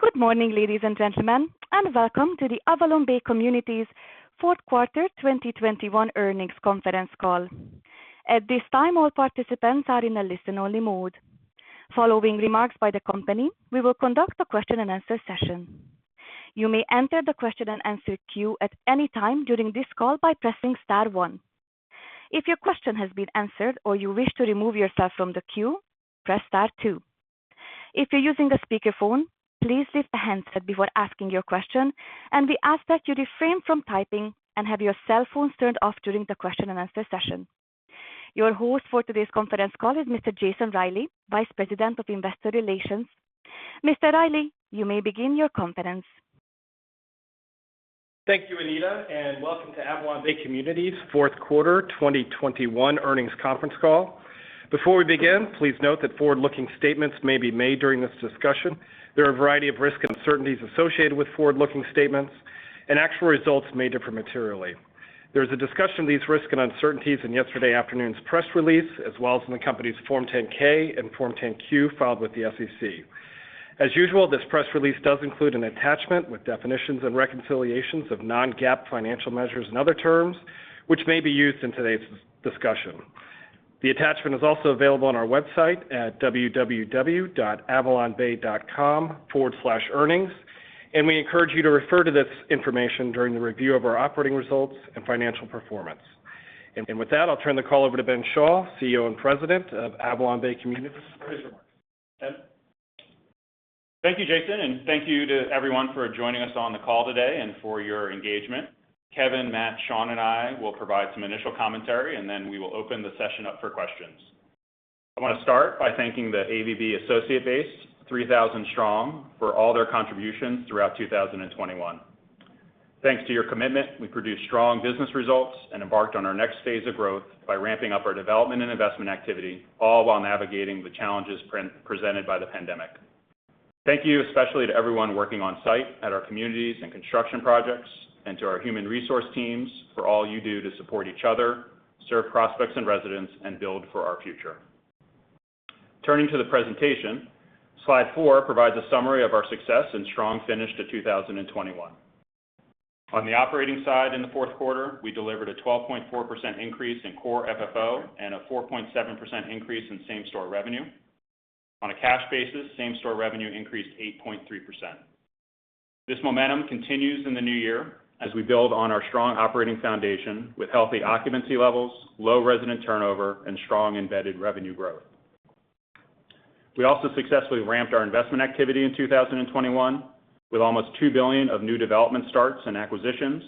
Good morning, ladies and gentlemen, and welcome to the AvalonBay Communities fourth quarter 2021 earnings conference call. At this time, all participants are in a listen-only mode. Following remarks by the company, we will conduct a question-and-answer session. You may enter the question-and-answer queue at any time during this call by pressing star one. If your question has been answered or you wish to remove yourself from the queue, press star two. If you're using a speakerphone, please lift the handset before asking your question, and we ask that you refrain from typing and have your cell phones turned off during the question-and-answer session. Your host for today's conference call is Mr. Jason Reilley, Vice President of Investor Relations. Mr. Reilley, you may begin your conference. Thank you, Anita, and welcome to AvalonBay Communities fourth quarter 2021 earnings conference call. Before we begin, please note that forward-looking statements may be made during this discussion. There are a variety of risks and uncertainties associated with forward-looking statements, and actual results may differ materially. There is a discussion of these risks and uncertainties in yesterday afternoon's press release, as well as in the company's Form 10-K and Form 10-Q filed with the SEC. As usual, this press release does include an attachment with definitions and reconciliations of non-GAAP financial measures and other terms which may be used in today's discussion. The attachment is also available on our website at www.avalonbay.com/earnings, and we encourage you to refer to this information during the review of our operating results and financial performance. With that, I'll turn the call over to Ben Schall, CEO and President of AvalonBay Communities. Ben. Thank you, Jason, and thank you to everyone for joining us on the call today and for your engagement. Kevin, Matt, Sean, and I will provide some initial commentary, and then we will open the session up for questions. I want to start by thanking the AVB associate base, 3,000 strong, for all their contributions throughout 2021. Thanks to your commitment, we produced strong business results and embarked on our next phase of growth by ramping up our development and investment activity, all while navigating the challenges presented by the pandemic. Thank you especially to everyone working on site at our communities and construction projects and to our human resource teams for all you do to support each other, serve prospects and residents, and build for our future. Turning to the presentation, slide four provides a summary of our success and strong finish to 2021. On the operating side in the fourth quarter, we delivered a 12.4 increase in Core FFO and a 4.7 increase in same-store revenue. On a cash basis, same-store revenue increased 8.3%. This momentum continues in the new year as we build on our strong operating foundation with healthy occupancy levels, low resident turnover, and strong embedded revenue growth. We also successfully ramped our investment activity in 2021 with almost $2 billion of new development starts and acquisitions,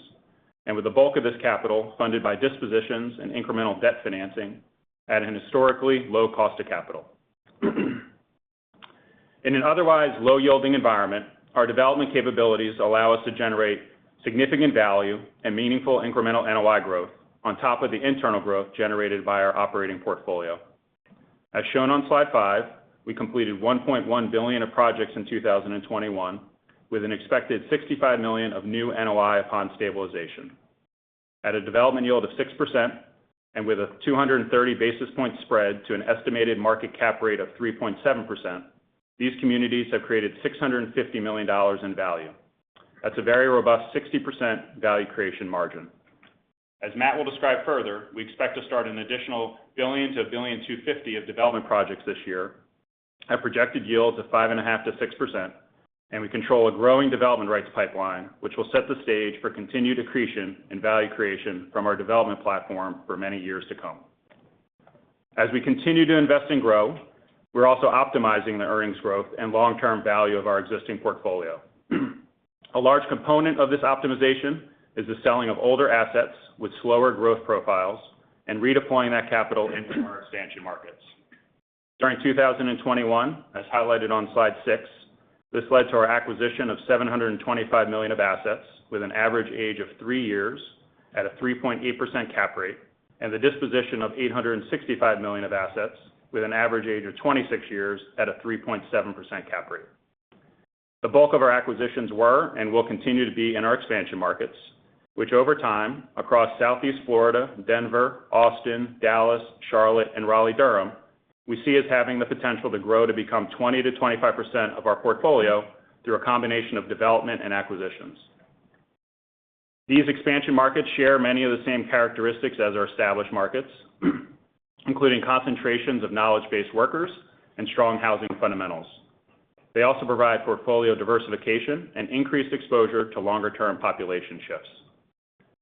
and with the bulk of this capital funded by dispositions and incremental debt financing at an historically low cost of capital. In an otherwise low-yielding environment, our development capabilities allow us to generate significant value and meaningful incremental NOI growth on top of the internal growth generated by our operating portfolio. As shown on slide five, we completed $1.1 billion of projects in 2021 with an expected $65 million of new NOI upon stabilization. At a development yield of 6% and with a 230 basis points spread to an estimated market cap rate of 3.7%, these communities have created $650 million in value. That's a very robust 60% value creation margin. As Matt will describe further, we expect to start an additional $1 billion-$1.25 billion of development projects this year at projected yields of 5.5%-6%, and we control a growing development rights pipeline which will set the stage for continued accretion and value creation from our development platform for many years to come. As we continue to invest and grow, we're also optimizing the earnings growth and long-term value of our existing portfolio. A large component of this optimization is the selling of older assets with slower growth profiles and redeploying that capital into our expansion markets. During 2021, as highlighted on slide six, this led to our acquisition of $725 million of assets with an average age of three years at a 3.8% cap rate and the disposition of $865 million of assets with an average age of 26 years at a 3.7% cap rate. The bulk of our acquisitions were, and will continue to be in our expansion markets, which over time across Southeast Florida, Denver, Austin, Dallas, Charlotte, and Raleigh-Durham, we see as having the potential to grow to become 20%-25% of our portfolio through a combination of development and acquisitions. These expansion markets share many of the same characteristics as our established markets, including concentrations of knowledge-based workers and strong housing fundamentals. They also provide portfolio diversification and increased exposure to longer-term population shifts.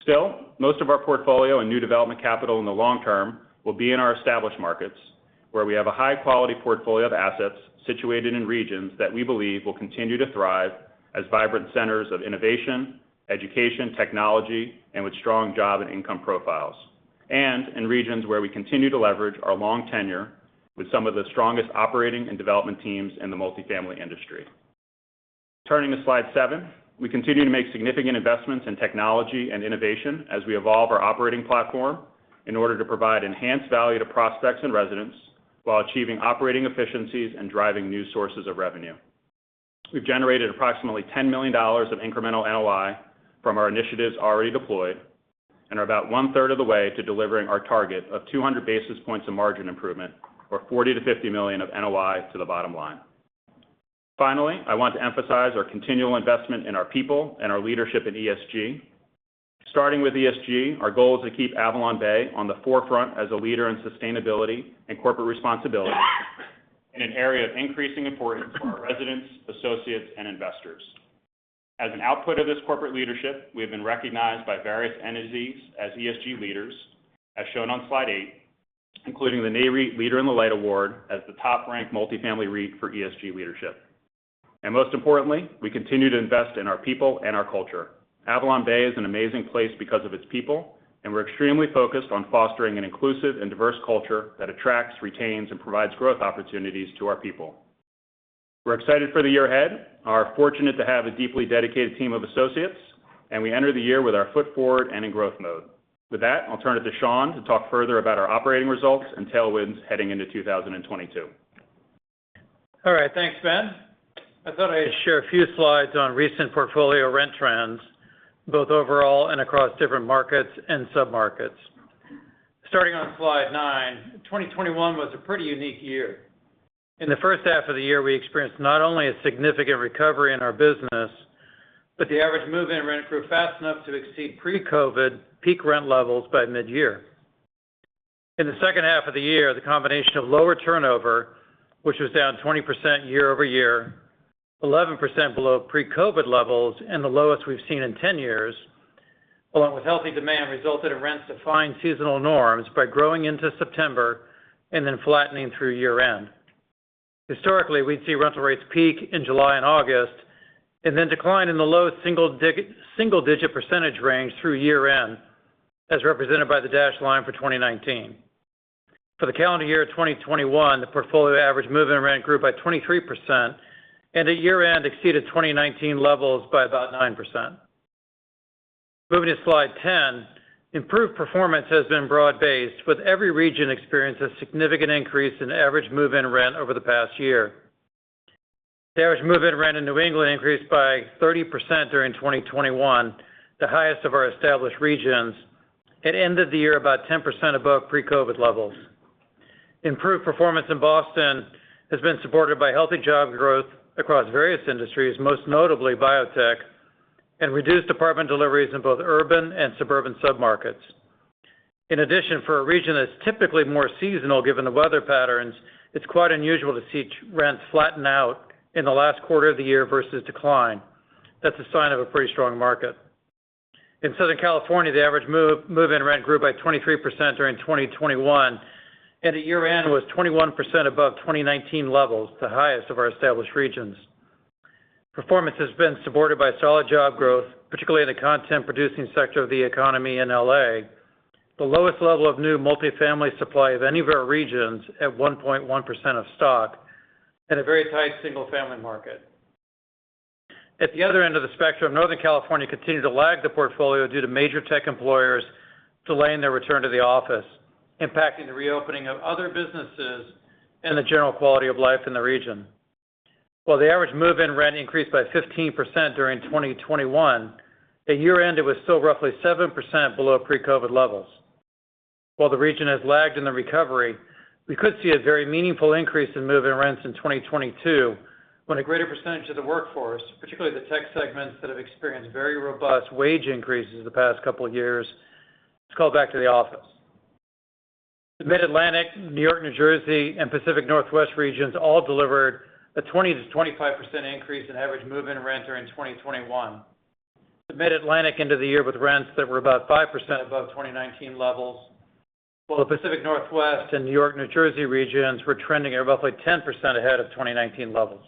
Still, most of our portfolio and new development capital in the long term will be in our established markets, where we have a high-quality portfolio of assets situated in regions that we believe will continue to thrive as vibrant centers of innovation, education, technology, and with strong job and income profiles, and in regions where we continue to leverage our long tenure with some of the strongest operating and development teams in the multifamily industry. Turning to slide seven. We continue to make significant investments in technology and innovation as we evolve our operating platform in order to provide enhanced value to prospects and residents while achieving operating efficiencies and driving new sources of revenue. We've generated approximately $10 million of incremental NOI from our initiatives already deployed. We are about one third of the way to delivering our target of 200 basis points of margin improvement or $40 million-$50 million of NOI to the bottom line. Finally, I want to emphasize our continual investment in our people and our leadership at ESG. Starting with ESG, our goal is to keep AvalonBay on the forefront as a leader in sustainability and corporate responsibility in an area of increasing importance for our residents, associates, and investors. As an output of this corporate leadership, we have been recognized by various entities as ESG leaders, as shown on slide eight, including the Nareit Leader in the Light award as the top-ranked multifamily REIT for ESG leadership. Most importantly, we continue to invest in our people and our culture. AvalonBay is an amazing place because of its people, and we're extremely focused on fostering an inclusive and diverse culture that attracts, retains, and provides growth opportunities to our people. We're excited for the year ahead, are fortunate to have a deeply dedicated team of associates, and we enter the year with our foot forward and in growth mode. With that, I'll turn it to Sean to talk further about our operating results and tailwinds heading into 2022. All right. Thanks, Ben. I thought I'd share a few slides on recent portfolio rent trends, both overall and across different markets and sub-markets. Starting on slide nine, 2021 was a pretty unique year. In the first half of the year, we experienced not only a significant recovery in our business, but the average move-in rent grew fast enough to exceed pre-COVID peak rent levels by midyear. In the second half of the year, the combination of lower turnover, which was down 20% year-over-year, 11% below pre-COVID levels and the lowest we've seen in 10 years, along with healthy demand, resulted in rents defying seasonal norms by growing into September and then flattening through year-end. Historically, we'd see rental rates peak in July and August and then decline in the low single-digit % range through year-end, as represented by the dashed line for 2019. For the calendar year of 2021, the portfolio average move-in rent grew by 23% and at year-end exceeded 2019 levels by about 9%. Moving to slide 10. Improved performance has been broad-based, with every region experiencing a significant increase in average move-in rent over the past year. The average move-in rent in New England increased by 30% during 2021, the highest of our established regions. It ended the year about 10% above pre-COVID levels. Improved performance in Boston has been supported by healthy job growth across various industries, most notably biotech, and reduced apartment deliveries in both urban and suburban sub-markets. In addition, for a region that's typically more seasonal, given the weather patterns, it's quite unusual to see rents flatten out in the last quarter of the year versus decline. That's a sign of a pretty strong market. In Southern California, the average move-in rent grew by 23% during 2021, and at year-end was 21% above 2019 levels, the highest of our established regions. Performance has been supported by solid job growth, particularly in the content-producing sector of the economy in L.A., the lowest level of new multifamily supply of any of our regions at 1.1% of stock, and a very tight single-family market. At the other end of the spectrum, Northern California continued to lag the portfolio due to major tech employers delaying their return to the office, impacting the reopening of other businesses and the general quality of life in the region. While the average move-in rent increased by 15% during 2021, at year-end, it was still roughly 7% below pre-COVID levels. While the region has lagged in the recovery, we could see a very meaningful increase in move-in rents in 2022, when a greater percentage of the workforce, particularly the tech segments that have experienced very robust wage increases the past couple of years, is called back to the office. The Mid-Atlantic, New York, New Jersey, and Pacific Northwest regions all delivered a 20%-25% increase in average move-in rents during 2021. The Mid-Atlantic entered the year with rents that were about 5% above 2019 levels, while the Pacific Northwest and New York, New Jersey regions were trending at roughly 10% ahead of 2019 levels.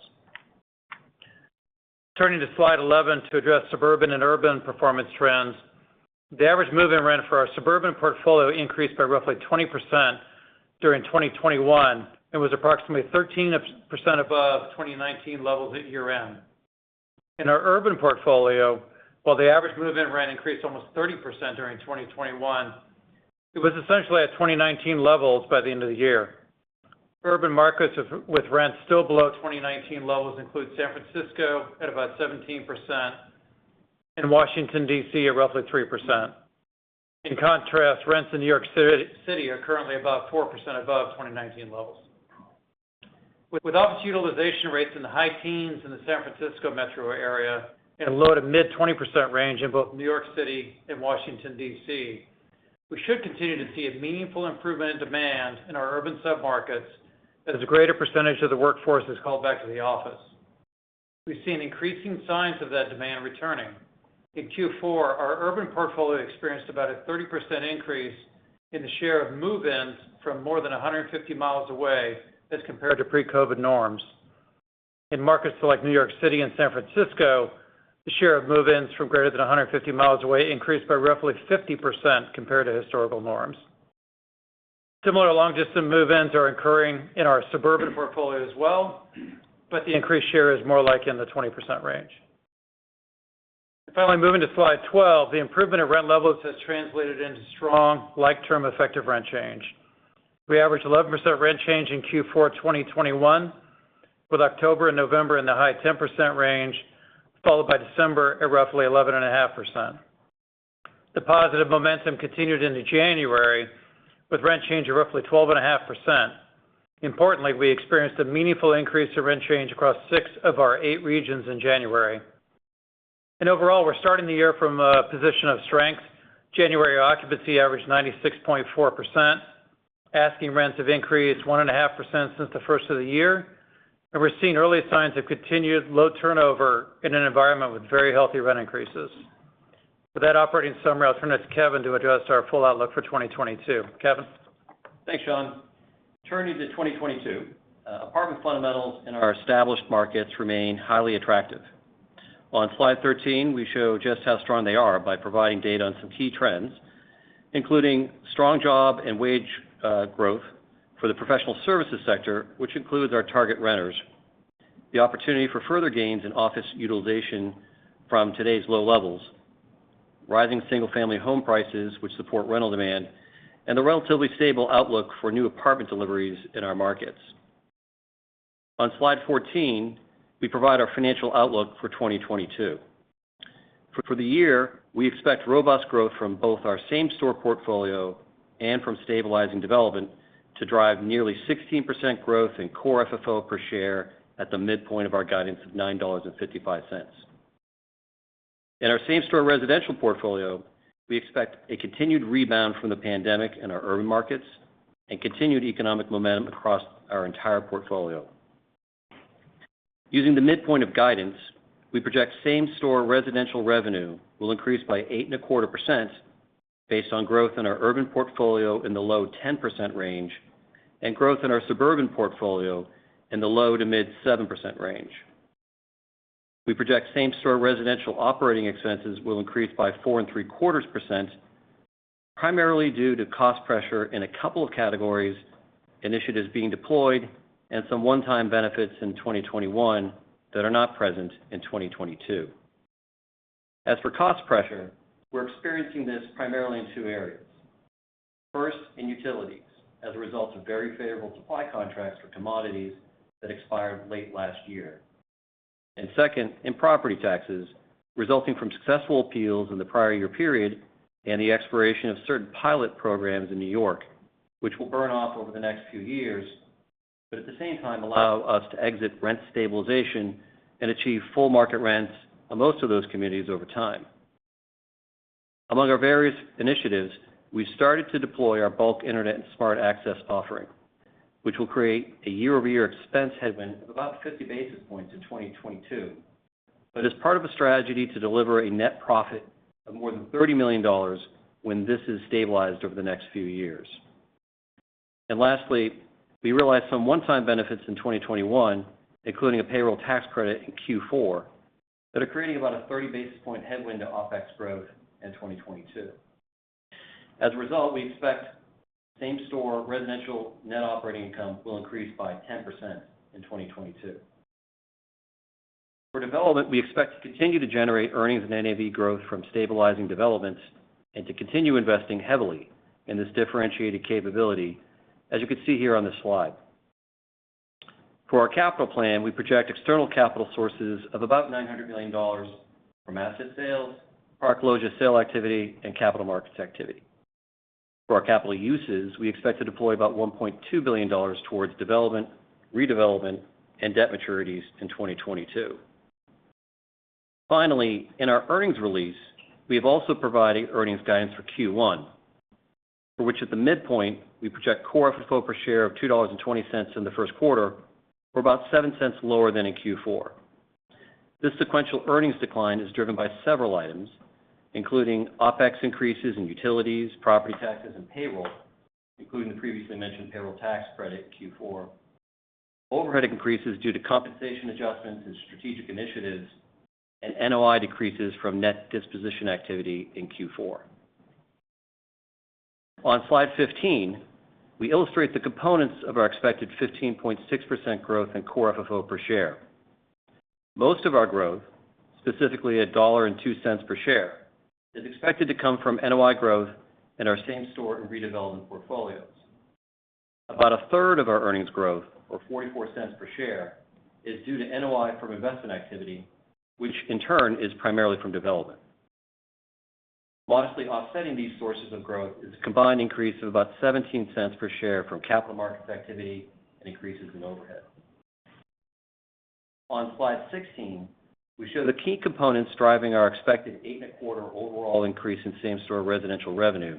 Turning to slide 11 to address suburban and urban performance trends. The average move-in rent for our suburban portfolio increased by roughly 20% during 2021 and was approximately 13% above 2019 levels at year-end. In our urban portfolio, while the average move-in rent increased almost 30% during 2021, it was essentially at 2019 levels by the end of the year. Urban markets with rents still below 2019 levels include San Francisco at about 17% and Washington, D.C., at roughly 3%. In contrast, rents in New York City are currently about 4% above 2019 levels. With office utilization rates in the high teens% in the San Francisco metro area and low- to mid-20% range in both New York City and Washington, D.C., we should continue to see a meaningful improvement in demand in our urban sub-markets as a greater percentage of the workforce is called back to the office. We've seen increasing signs of that demand returning. In Q4, our urban portfolio experienced about a 30% increase in the share of move-ins from more than 150 miles away as compared to pre-COVID norms. In markets like New York City and San Francisco, the share of move-ins from greater than 150 miles away increased by roughly 50% compared to historical norms. Similar long-distance move-ins are occurring in our suburban portfolio as well, but the increased share is more like in the 20% range. Finally, moving to slide 12. The improvement of rent levels has translated into strong like-term effective rent change. We averaged 11% rent change in Q4 2021. With October and November in the high 10% range, followed by December at roughly 11.5%. The positive momentum continued into January with rent change of roughly 12.5%. Importantly, we experienced a meaningful increase of rent change across six of our eight regions in January. Overall, we're starting the year from a position of strength. January occupancy averaged 96.4%. Asking rents have increased 1.5% since the first of the year. We're seeing early signs of continued low turnover in an environment with very healthy rent increases. For that operating summary, I'll turn it to Kevin to address our full outlook for 2022. Kevin. Thanks, Sean. Turning to 2022, apartment fundamentals in our established markets remain highly attractive. On slide 13, we show just how strong they are by providing data on some key trends, including strong job and wage growth for the professional services sector, which includes our target renters. The opportunity for further gains in office utilization from today's low levels. Rising single-family home prices which support rental demand, and a relatively stable outlook for new apartment deliveries in our markets. On slide 14, we provide our financial outlook for 2022. For the year, we expect robust growth from both our same-store portfolio and from stabilizing development to drive nearly 16% growth in Core FFO per share at the midpoint of our guidance of $9.55. In our same-store residential portfolio, we expect a continued rebound from the pandemic in our urban markets and continued economic momentum across our entire portfolio. Using the midpoint of guidance, we project same-store residential revenue will increase by 8.25% based on growth in our urban portfolio in the low 10% range and growth in our suburban portfolio in the low-to-mid 7% range. We project same-store residential operating expenses will increase by 4.75%, primarily due to cost pressure in a couple of categories, initiatives being deployed, and some one-time benefits in 2021 that are not present in 2022. As for cost pressure, we're experiencing this primarily in two areas. First, in utilities as a result of very favorable supply contracts for commodities that expired late last year. Second, in property taxes resulting from successful appeals in the prior year period and the expiration of certain PILOT programs in New York, which will burn off over the next few years, but at the same time allow us to exit rent stabilization and achieve full market rents on most of those communities over time. Among our various initiatives, we started to deploy our bulk internet and smart access offering, which will create a year-over-year expense headwind of about 50 basis points in 2022, but as part of a strategy to deliver a net profit of more than $30 million when this is stabilized over the next few years. Lastly, we realized some one-time benefits in 2021, including a payroll tax credit in Q4 that are creating about a 30 basis point headwind to OpEx growth in 2022. As a result, we expect same-store residential net operating income will increase by 10% in 2022. For development, we expect to continue to generate earnings and NAV growth from stabilizing developments and to continue investing heavily in this differentiated capability, as you can see here on this slide. For our capital plan, we project external capital sources of about $900 million from asset sales, partial sale activity, and capital markets activity. For our capital uses, we expect to deploy about $1.2 billion towards development, redevelopment, and debt maturities in 2022. Finally, in our earnings release, we have also provided earnings guidance for Q1, for which at the midpoint, we project core FFO per share of $2.20 in the first quarter, or about $0.07 lower than in Q4. This sequential earnings decline is driven by several items, including OpEx increases in utilities, property taxes, and payroll, including the previously mentioned payroll tax credit in Q4, overhead increases due to compensation adjustments and strategic initiatives, and NOI decreases from net disposition activity in Q4. On slide 15, we illustrate the components of our expected 15.6% growth in Core FFO per share. Most of our growth, specifically $1.02 per share, is expected to come from NOI growth in our same-store and redevelopment portfolios. About a third of our earnings growth, or $0.44 per share, is due to NOI from investment activity, which in turn is primarily from development. Mostly offsetting these sources of growth is a combined increase of about $0.17 per share from capital markets activity and increases in overhead. On slide 16, we show the key components driving our expected 8.25% overall increase in same-store residential revenue,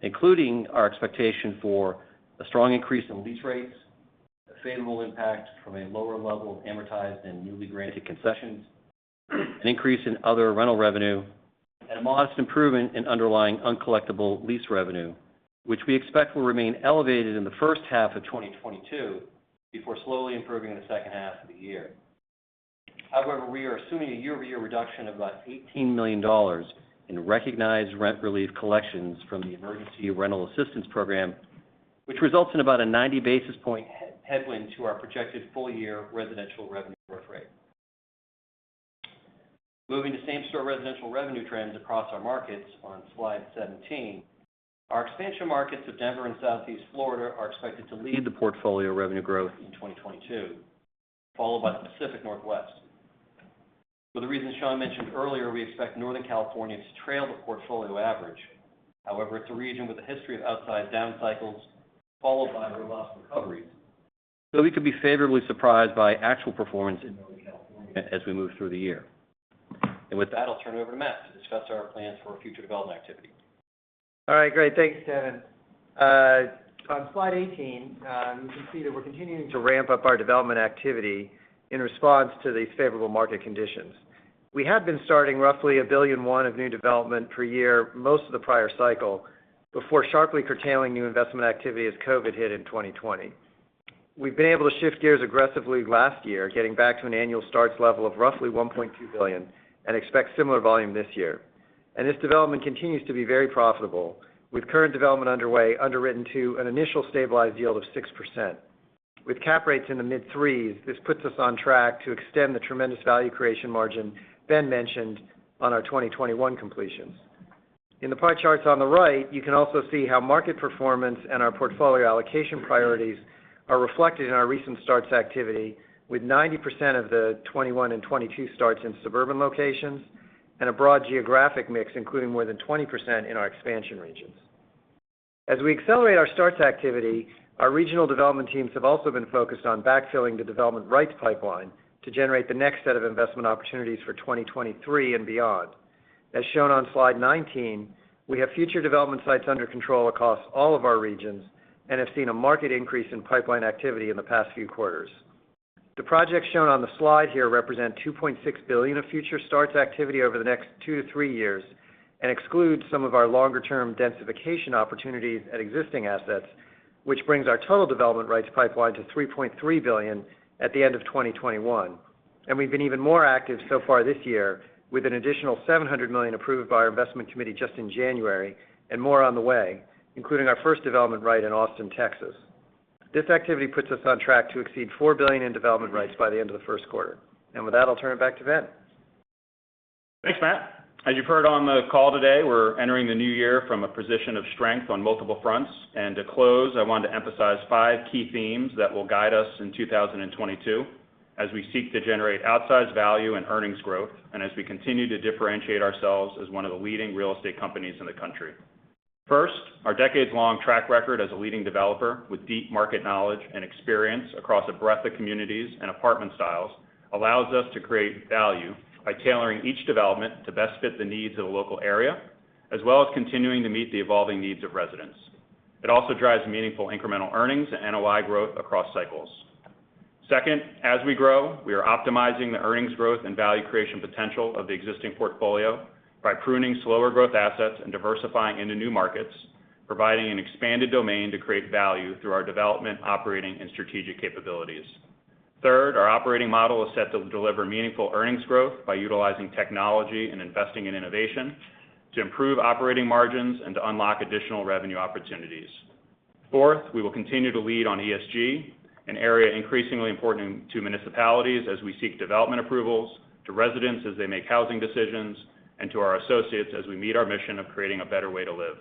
including our expectation for a strong increase in lease rates, a favorable impact from a lower level of amortized and newly granted concessions, an increase in other rental revenue, and a modest improvement in underlying uncollectible lease revenue, which we expect will remain elevated in the first half of 2022 before slowly improving in the second half of the year. However, we are assuming a year-over-year reduction of about $18 million in recognized rent relief collections from the Emergency Rental Assistance Program, which results in about a 90 basis point headwind to our projected full-year residential revenue growth rate. Moving to same-store residential revenue trends across our markets on slide 17. Our expansion markets of Denver and Southeast Florida are expected to lead the portfolio revenue growth in 2022, followed by the Pacific Northwest. For the reasons Sean mentioned earlier, we expect Northern California to trail the portfolio average. However, it's a region with a history of outsized down cycles followed by robust recoveries. We could be favorably surprised by actual performance in Northern California as we move through the year. With that, I'll turn it over to Matt to discuss our plans for future development activity. All right. Great. Thanks, Kevin. On slide 18, you can see that we're continuing to ramp up our development activity in response to these favorable market conditions. We have been starting roughly $1.1 billion of new development per year most of the prior cycle before sharply curtailing new investment activity as COVID hit in 2020. We've been able to shift gears aggressively last year, getting back to an annual starts level of roughly $1.2 billion and expect similar volume this year. This development continues to be very profitable with current development underway underwritten to an initial stabilized yield of 6%. With cap rates in the mid-3s, this puts us on track to extend the tremendous value creation margin Ben mentioned on our 2021 completions. In the pie charts on the right, you can also see how market performance and our portfolio allocation priorities are reflected in our recent starts activity, with 90% of the 2021 and 2022 starts in suburban locations and a broad geographic mix, including more than 20% in our expansion regions. As we accelerate our starts activity, our regional development teams have also been focused on backfilling the development rights pipeline to generate the next set of investment opportunities for 2023 and beyond. As shown on slide 19, we have future development sites under control across all of our regions and have seen a market increase in pipeline activity in the past few quarters. The projects shown on the slide here represent $2.6 billion of future starts activity over the next two to three years and excludes some of our longer term densification opportunities at existing assets, which brings our total development rights pipeline to $3.3 billion at the end of 2021. We've been even more active so far this year with an additional $700 million approved by our investment committee just in January and more on the way, including our first development right in Austin, Texas. This activity puts us on track to exceed $4 billion in development rights by the end of the first quarter. With that, I'll turn it back to Ben. Thanks, Matt. As you've heard on the call today, we're entering the new year from a position of strength on multiple fronts. To close, I want to emphasize five key themes that will guide us in 2022 as we seek to generate outsized value and earnings growth, and as we continue to differentiate ourselves as one of the leading real estate companies in the country. First, our decades-long track record as a leading developer with deep market knowledge and experience across a breadth of communities and apartment styles allows us to create value by tailoring each development to best fit the needs of a local area, as well as continuing to meet the evolving needs of residents. It also drives meaningful incremental earnings and NOI growth across cycles. Second, as we grow, we are optimizing the earnings growth and value creation potential of the existing portfolio by pruning slower growth assets and diversifying into new markets, providing an expanded domain to create value through our development, operating, and strategic capabilities. Third, our operating model is set to deliver meaningful earnings growth by utilizing technology and investing in innovation to improve operating margins and to unlock additional revenue opportunities. Fourth, we will continue to lead on ESG, an area increasingly important to municipalities as we seek development approvals to residents as they make housing decisions and to our associates as we meet our mission of creating a better way to live.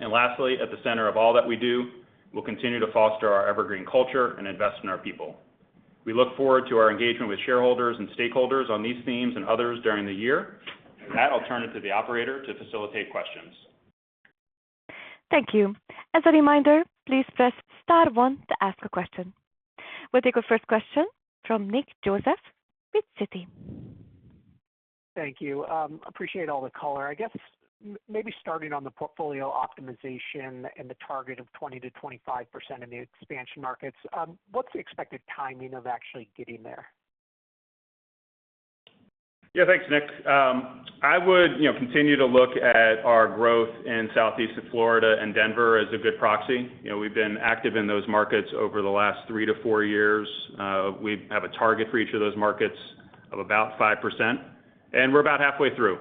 Lastly, at the center of all that we do, we'll continue to foster our evergreen culture and invest in our people. We look forward to our engagement with shareholders and stakeholders on these themes and others during the year. With that, I'll turn it to the operator to facilitate questions. Thank you. As a reminder, please press star one to ask a question. We'll take our first question from Nick Joseph with Citi. Thank you. I appreciate all the color. I guess maybe starting on the portfolio optimization and the target of 20%-25% in the expansion markets. What's the expected timing of actually getting there? Thanks, Nick. I would, you know, continue to look at our growth in Southeast of Florida and Denver as a good proxy. You know, we've been active in those markets over the last three to four years. We have a target for each of those markets of about 5%, and we're about halfway through.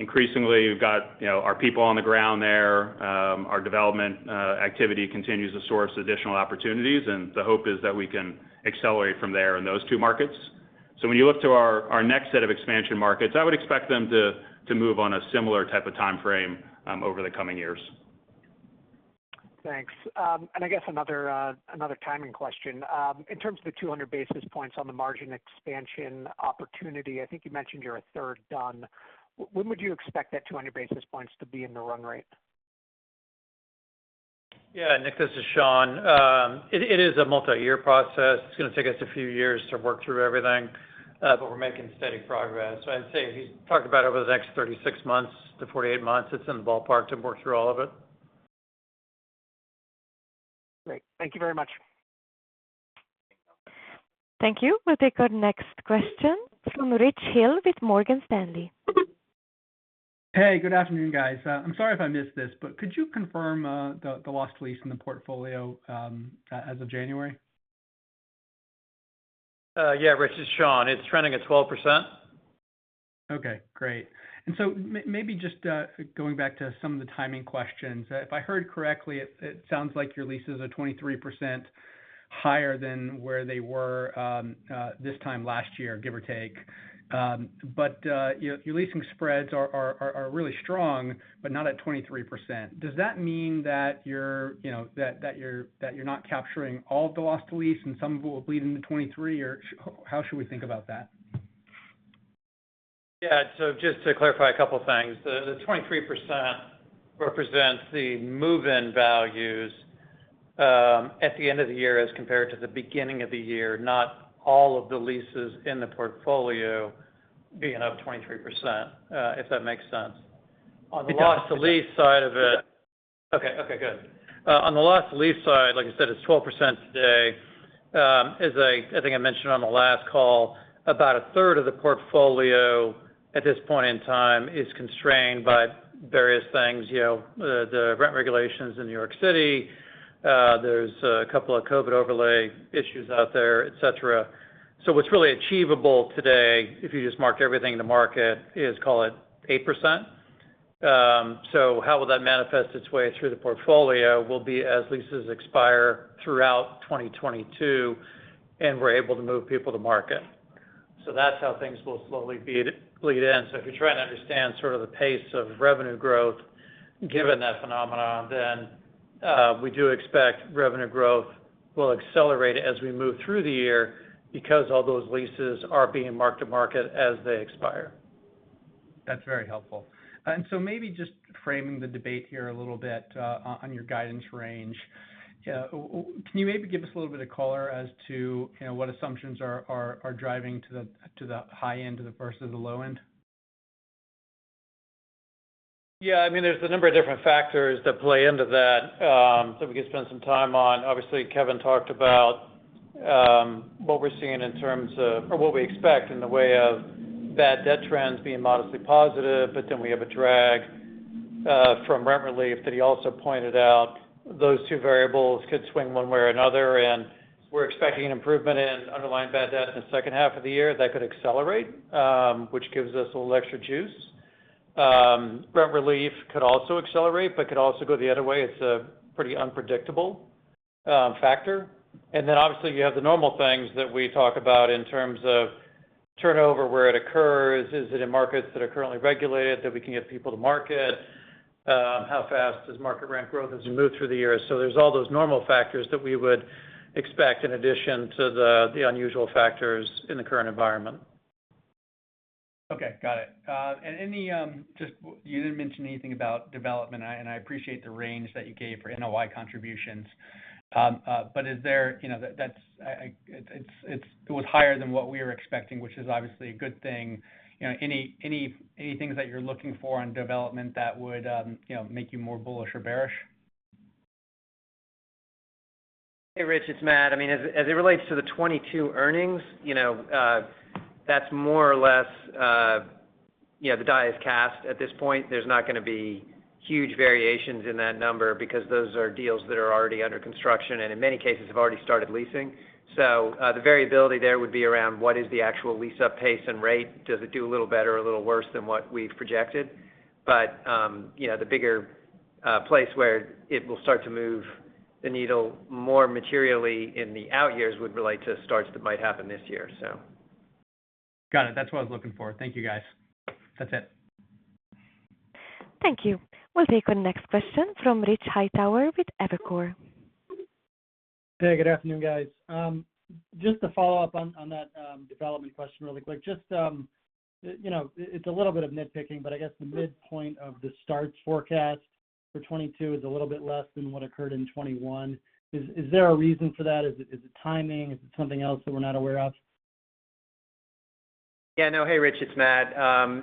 Increasingly, we've got, you know, our people on the ground there. Our development activity continues to source additional opportunities, and the hope is that we can accelerate from there in those two markets. When you look to our next set of expansion markets, I would expect them to move on a similar type of timeframe over the coming years. Thanks. I guess another timing question. In terms of the 200 basis points on the margin expansion opportunity, I think you mentioned you're a third done. When would you expect that 200 basis points to be in the run rate? Yeah. Nick, this is Sean. It is a multiyear process. It's gonna take us a few years to work through everything, but we're making steady progress. I'd say if you talked about over the next 36-48 months, it's in the ballpark to work through all of it. Great. Thank you very much. Thank you. We'll take our next question from Rich Hill with Morgan Stanley. Hey. Good afternoon, guys. I'm sorry if I missed this, but could you confirm the lost lease in the portfolio as of January? Yeah. Rich, it's Sean. It's trending at 12%. Okay, great. Maybe just going back to some of the timing questions. If I heard correctly, it sounds like your leases are 23% higher than where they were this time last year, give or take. Your leasing spreads are really strong, but not at 23%. Does that mean that you're you know that you're not capturing all the lost lease and some will bleed into 2023, or how should we think about that? Yeah. Just to clarify a couple things. The 23% represents the move-in values at the end of the year as compared to the beginning of the year, not all of the leases in the portfolio being up 23%, if that makes sense. The loss-to-lease side of it. Yeah. Okay. Okay, good. On the lost lease side, like I said, it's 12% today. As I think I mentioned on the last call, about a third of the portfolio at this point in time is constrained by various things, you know, the rent regulations in New York City. There's a couple of COVID overlay issues out there, et cetera. What's really achievable today, if you just marked everything in the market, is call it 8%. How will that manifest its way through the portfolio will be as leases expire throughout 2022, and we're able to move people to market. That's how things will slowly bleed in. If you're trying to understand sort of the pace of revenue growth given that phenomenon, then we do expect revenue growth will accelerate as we move through the year because all those leases are being marked to market as they expire. That's very helpful. Maybe just framing the debate here a little bit on your guidance range. Can you maybe give us a little bit of color as to, you know, what assumptions are driving to the high end versus the low end? Yeah. I mean, there's a number of different factors that play into that that we could spend some time on. Obviously, Kevin talked about what we're seeing in terms of or what we expect in the way of bad debt trends being modestly positive, but then we have a drag from rent relief that he also pointed out. Those two variables could swing one way or another, and we're expecting an improvement in underlying bad debt in the second half of the year that could accelerate, which gives us a little extra juice. Rent relief could also accelerate, but could also go the other way. It's a pretty unpredictable factor. Obviously, you have the normal things that we talk about in terms of turnover, where it occurs. Is it in markets that are currently regulated that we can get people to market? How fast does market rent growth as we move through the years? There's all those normal factors that we would expect in addition to the unusual factors in the current environment. Okay. Got it. Any, just you didn't mention anything about development, and I appreciate the range that you gave for NOI contributions. Is there, you know, it was higher than what we were expecting, which is obviously a good thing. You know any things that you're looking for on development that would, you know, make you more bullish or bearish? Hey, Rich. It's Matt. I mean, as it relates to the 2022 earnings, you know, that's more or less, you know, the die is cast at this point. There's not gonna be huge variations in that number because those are deals that are already under construction, and in many cases have already started leasing. So, the variability there would be around what is the actual lease-up pace and rate. Does it do a little better or a little worse than what we've projected. You know, the bigger place where it will start to move the needle more materially in the out years would relate to starts that might happen this year, so. Got it. That's what I was looking for. Thank you, guys. That's it. Thank you. We'll take our next question from Rich Hightower with Evercore. Hey, good afternoon, guys. Just to follow up on that development question really quick. Just you know, it's a little bit of nitpicking, but I guess the midpoint of the starts forecast for 2022 is a little bit less than what occurred in 2021. Is there a reason for that? Is it timing? Is it something else that we're not aware of? Yeah, no. Hey, Rich, it's Matt.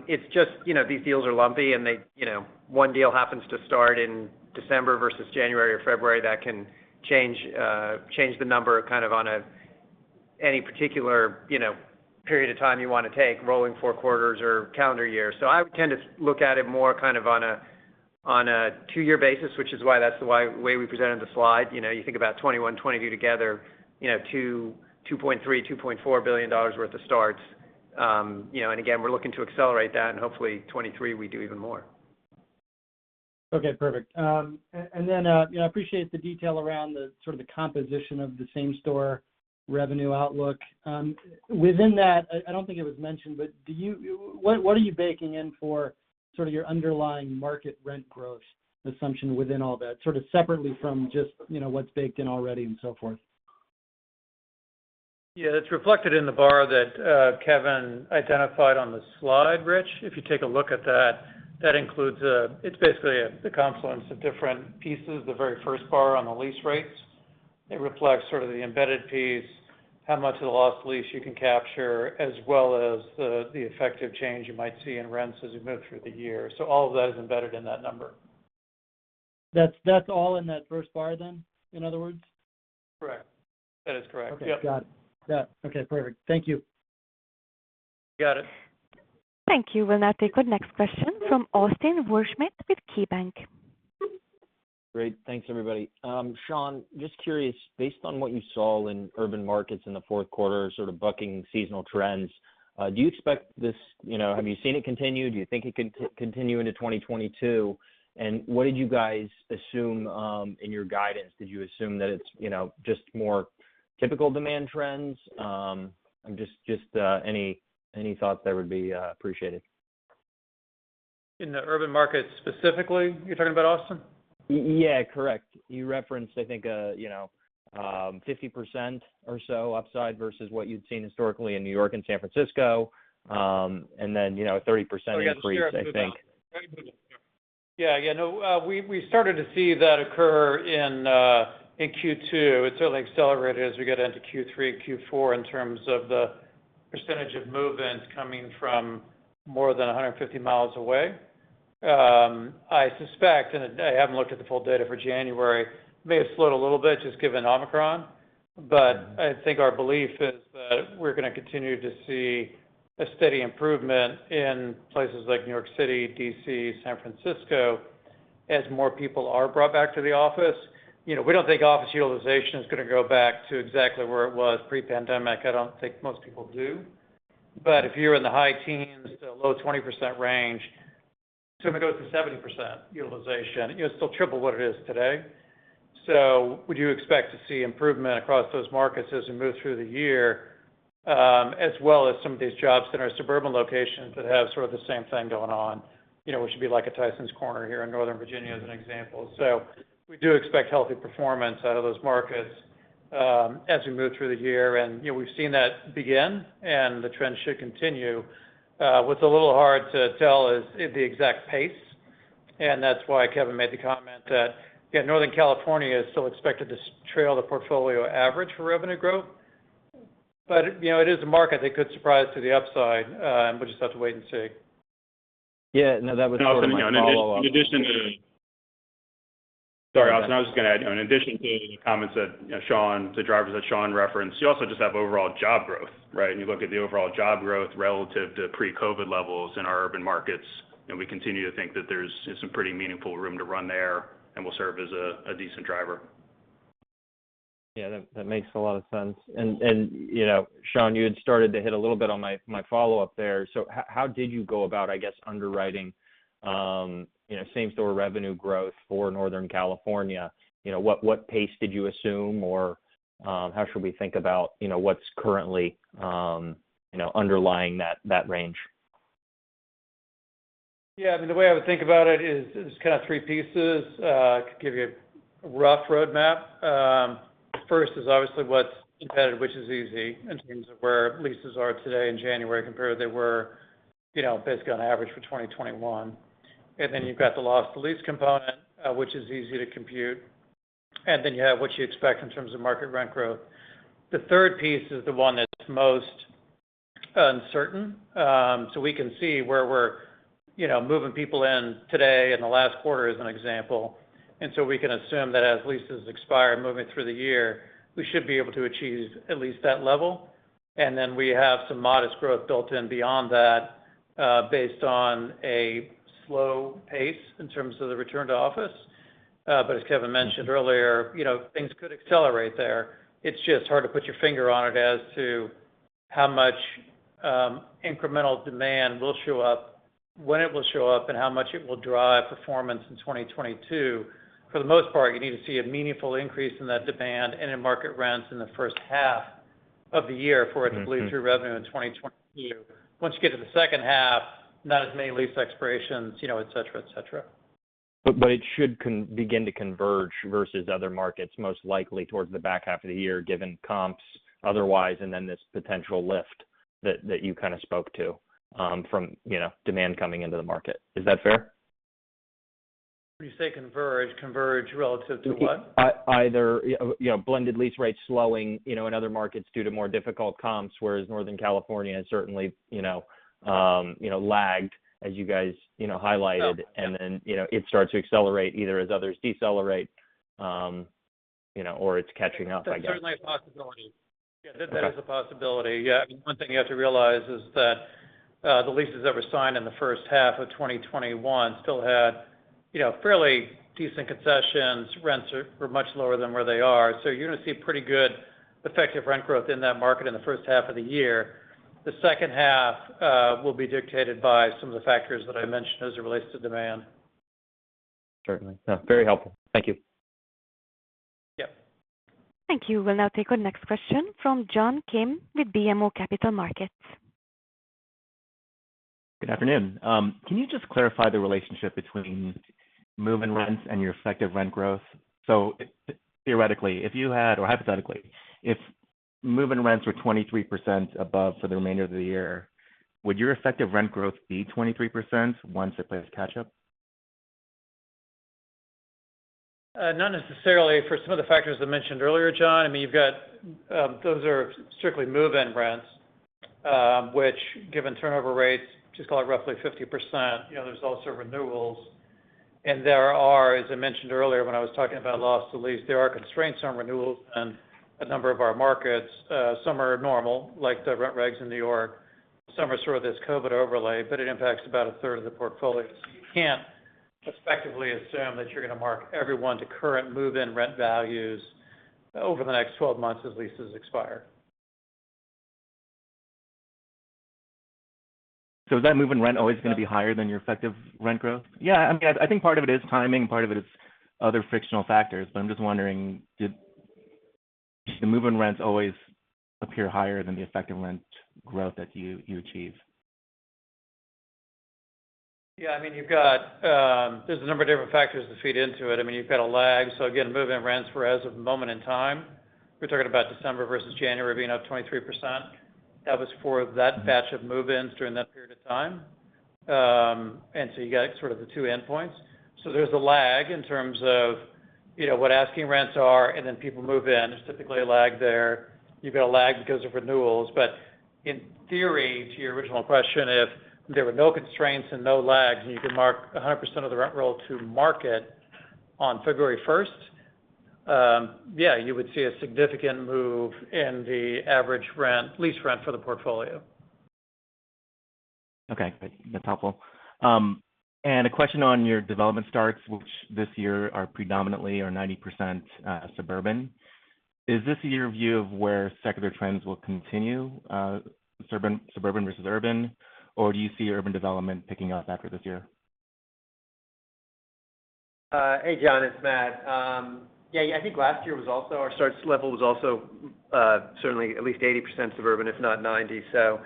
It's just, you know, these deals are lumpy, and they, you know, one deal happens to start in December versus January or February. That can change the number kind of on any particular, you know, period of time you wanna take, rolling four quarters or calendar year. I would tend to look at it more kind of on a two-year basis, which is why that's the way we presented the slide. You know, you think about 2021, 2022 together, you know, $2.3 billion-$2.4 billion worth of starts. You know, and again, we're looking to accelerate that, and hopefully 2023 we do even more. Okay, perfect. I appreciate the detail around the sort of the composition of the same store revenue outlook. Within that, I don't think it was mentioned, but what are you baking in for sort of your underlying market rent growth assumption within all that, sort of separately from just, you know, what's baked in already and so forth? Yeah. It's reflected in the bar that Kevin identified on the slide, Rich. If you take a look at that includes it's basically the confluence of different pieces, the very first bar on the lease rates. It reflects sort of the embedded piece, how much of the lost lease you can capture, as well as the effective change you might see in rents as we move through the year. All of that is embedded in that number. That's all in that first bar then, in other words? Correct. That is correct. Yep. Okay. Got it. Yeah. Okay. Perfect. Thank you. You got it. Thank you. We'll now take our next question from Austin Wurschmidt with KeyBank. Great. Thanks, everybody. Sean, just curious, based on what you saw in urban markets in the fourth quarter, sort of bucking seasonal trends, do you expect this? You know, have you seen it continue? Do you think it can continue into 2022? What did you guys assume in your guidance? Did you assume that it's, you know, just more typical demand trends? I'm just any thoughts there would be appreciated. In the urban markets specifically, you're talking about, Austin? Yeah, correct. You referenced, I think, you know, 50% or so upside versus what you'd seen historically in New York and San Francisco. Then, you know, 30% increase, I think. Oh, yeah. The share of move-ins. Yeah. You know, we started to see that occur in Q2. It certainly accelerated as we got into Q3 and Q4 in terms of the percentage of move-ins coming from more than 150 miles away. I suspect, and I haven't looked at the full data for January. It may have slowed a little bit just given Omicron. Mm-hmm. I think our belief is that we're gonna continue to see a steady improvement in places like New York City, D.C., San Francisco, as more people are brought back to the office. You know, we don't think office utilization is gonna go back to exactly where it was pre-pandemic. I don't think most people do. If you're in the high teens to low 20% range, so if it goes to 70% utilization, you know, it's still triple what it is today. Would you expect to see improvement across those markets as we move through the year, as well as some of these jobs in our suburban locations that have sort of the same thing going on? You know, we should be like at Tysons Corner here in Northern Virginia as an example. We do expect healthy performance out of those markets, as we move through the year. You know, we've seen that begin, and the trend should continue. What's a little hard to tell is the exact pace, and that's why Kevin made the comment that, you know, Northern California is still expected to trail the portfolio average for revenue growth. You know, it is a market that could surprise to the upside, and we'll just have to wait and see. Yeah. No, that was sort of my follow-up. No, I mean, you know, in addition to... Sorry, Austin, I was just gonna add, you know, in addition to any comments that, you know, Sean, the drivers that Sean referenced, you also just have overall job growth, right? You look at the overall job growth relative to pre-COVID levels in our urban markets, and we continue to think that there's some pretty meaningful room to run there and will serve as a decent driver. Yeah. That makes a lot of sense. You know, Sean, you had started to hit a little bit on my follow-up there. How did you go about, I guess, underwriting, you know, same store revenue growth for Northern California? You know, what pace did you assume, or, how should we think about, you know, what's currently, you know, underlying that range? Yeah. I mean, the way I would think about it is kind of three pieces to give you a rough roadmap. First is obviously what's competitive, which is easy in terms of where leases are today in January compared to where, you know, basically on average for 2021. You've got the loss to lease component, which is easy to compute. You have what you expect in terms of market rent growth. The third piece is the one that's most uncertain. We can see where we're, you know, moving people in today in the last quarter, as an example. We can assume that as leases expire moving through the year, we should be able to achieve at least that level. We have some modest growth built in beyond that, based on a slow pace in terms of the return to office. As Kevin mentioned earlier, you know, things could accelerate there. It's just hard to put your finger on it as to how much incremental demand will show up, when it will show up, and how much it will drive performance in 2022. For the most part, you need to see a meaningful increase in that demand and in market rents in the first half of the year for it to bleed through revenue in 2022. Once you get to the second half, not as many lease expirations, you know, et cetera, et cetera. It should begin to converge versus other markets, most likely towards the back half of the year, given comps otherwise, and then this potential lift that you kind of spoke to, from, you know, demand coming into the market. Is that fair? When you say converge, relative to what? Either, you know, blended lease rates slowing, you know, in other markets due to more difficult comps, whereas Northern California has certainly, you know, lagged as you guys, you know, highlighted. Oh. Yeah. You know, it starts to accelerate either as others decelerate, you know, or it's catching up, I guess. That's certainly a possibility. Yeah. That is a possibility. Yeah. One thing you have to realize is that the leases that were signed in the first half of 2021 still had, you know, fairly decent concessions. Rents were much lower than where they are. You're gonna see pretty good effective rent growth in that market in the first half of the year. The second half will be dictated by some of the factors that I mentioned as it relates to demand. Certainly. No, very helpful. Thank you. Yeah. Thank you. We'll now take our next question from John Kim with BMO Capital Markets. Good afternoon. Can you just clarify the relationship between move-in rents and your effective rent growth? Theoretically, if you had, or hypothetically, if move-in rents were 23% above for the remainder of the year, would your effective rent growth be 23% once it plays catch-up? Not necessarily for some of the factors I mentioned earlier, John. I mean, you've got those are strictly move-in rents, which given turnover rates, just call it roughly 50%, you know, there's also renewals. There are, as I mentioned earlier when I was talking about loss to lease, there are constraints on renewals in a number of our markets. Some are normal, like the rent regs in New York. Some are sort of this COVID overlay, but it impacts about a third of the portfolio. You can't effectively assume that you're gonna mark every one to current move-in rent values over the next 12 months as leases expire. Is that move-in rent always gonna be higher than your effective rent growth? Yeah. I think part of it is timing, part of it is other frictional factors. I'm just wondering, do the move-in rents always appear higher than the effective rent growth that you achieve? Yeah. I mean, you've got, there's a number of different factors that feed into it. I mean, you've got a lag. Again, move-in rents for as of moment in time, we're talking about December versus January being up 23%. That was for that batch of move-ins during that period of time. You got sort of the two endpoints. There's a lag in terms of, you know, what asking rents are, and then people move in. There's typically a lag there. You've got a lag because of renewals. In theory, to your original question, if there were no constraints and no lags, and you could mark 100% of the rent roll to market on February first, yeah, you would see a significant move in the average rent, lease rent for the portfolio. Okay. That's helpful. A question on your development starts, which this year are predominantly or 90% suburban. Is this your view of where secular trends will continue, suburban versus urban? Or do you see urban development picking up after this year? Hey, John, it's Matt. Yeah, I think last year was also our starts level was also certainly at least 80% suburban, if not 90%.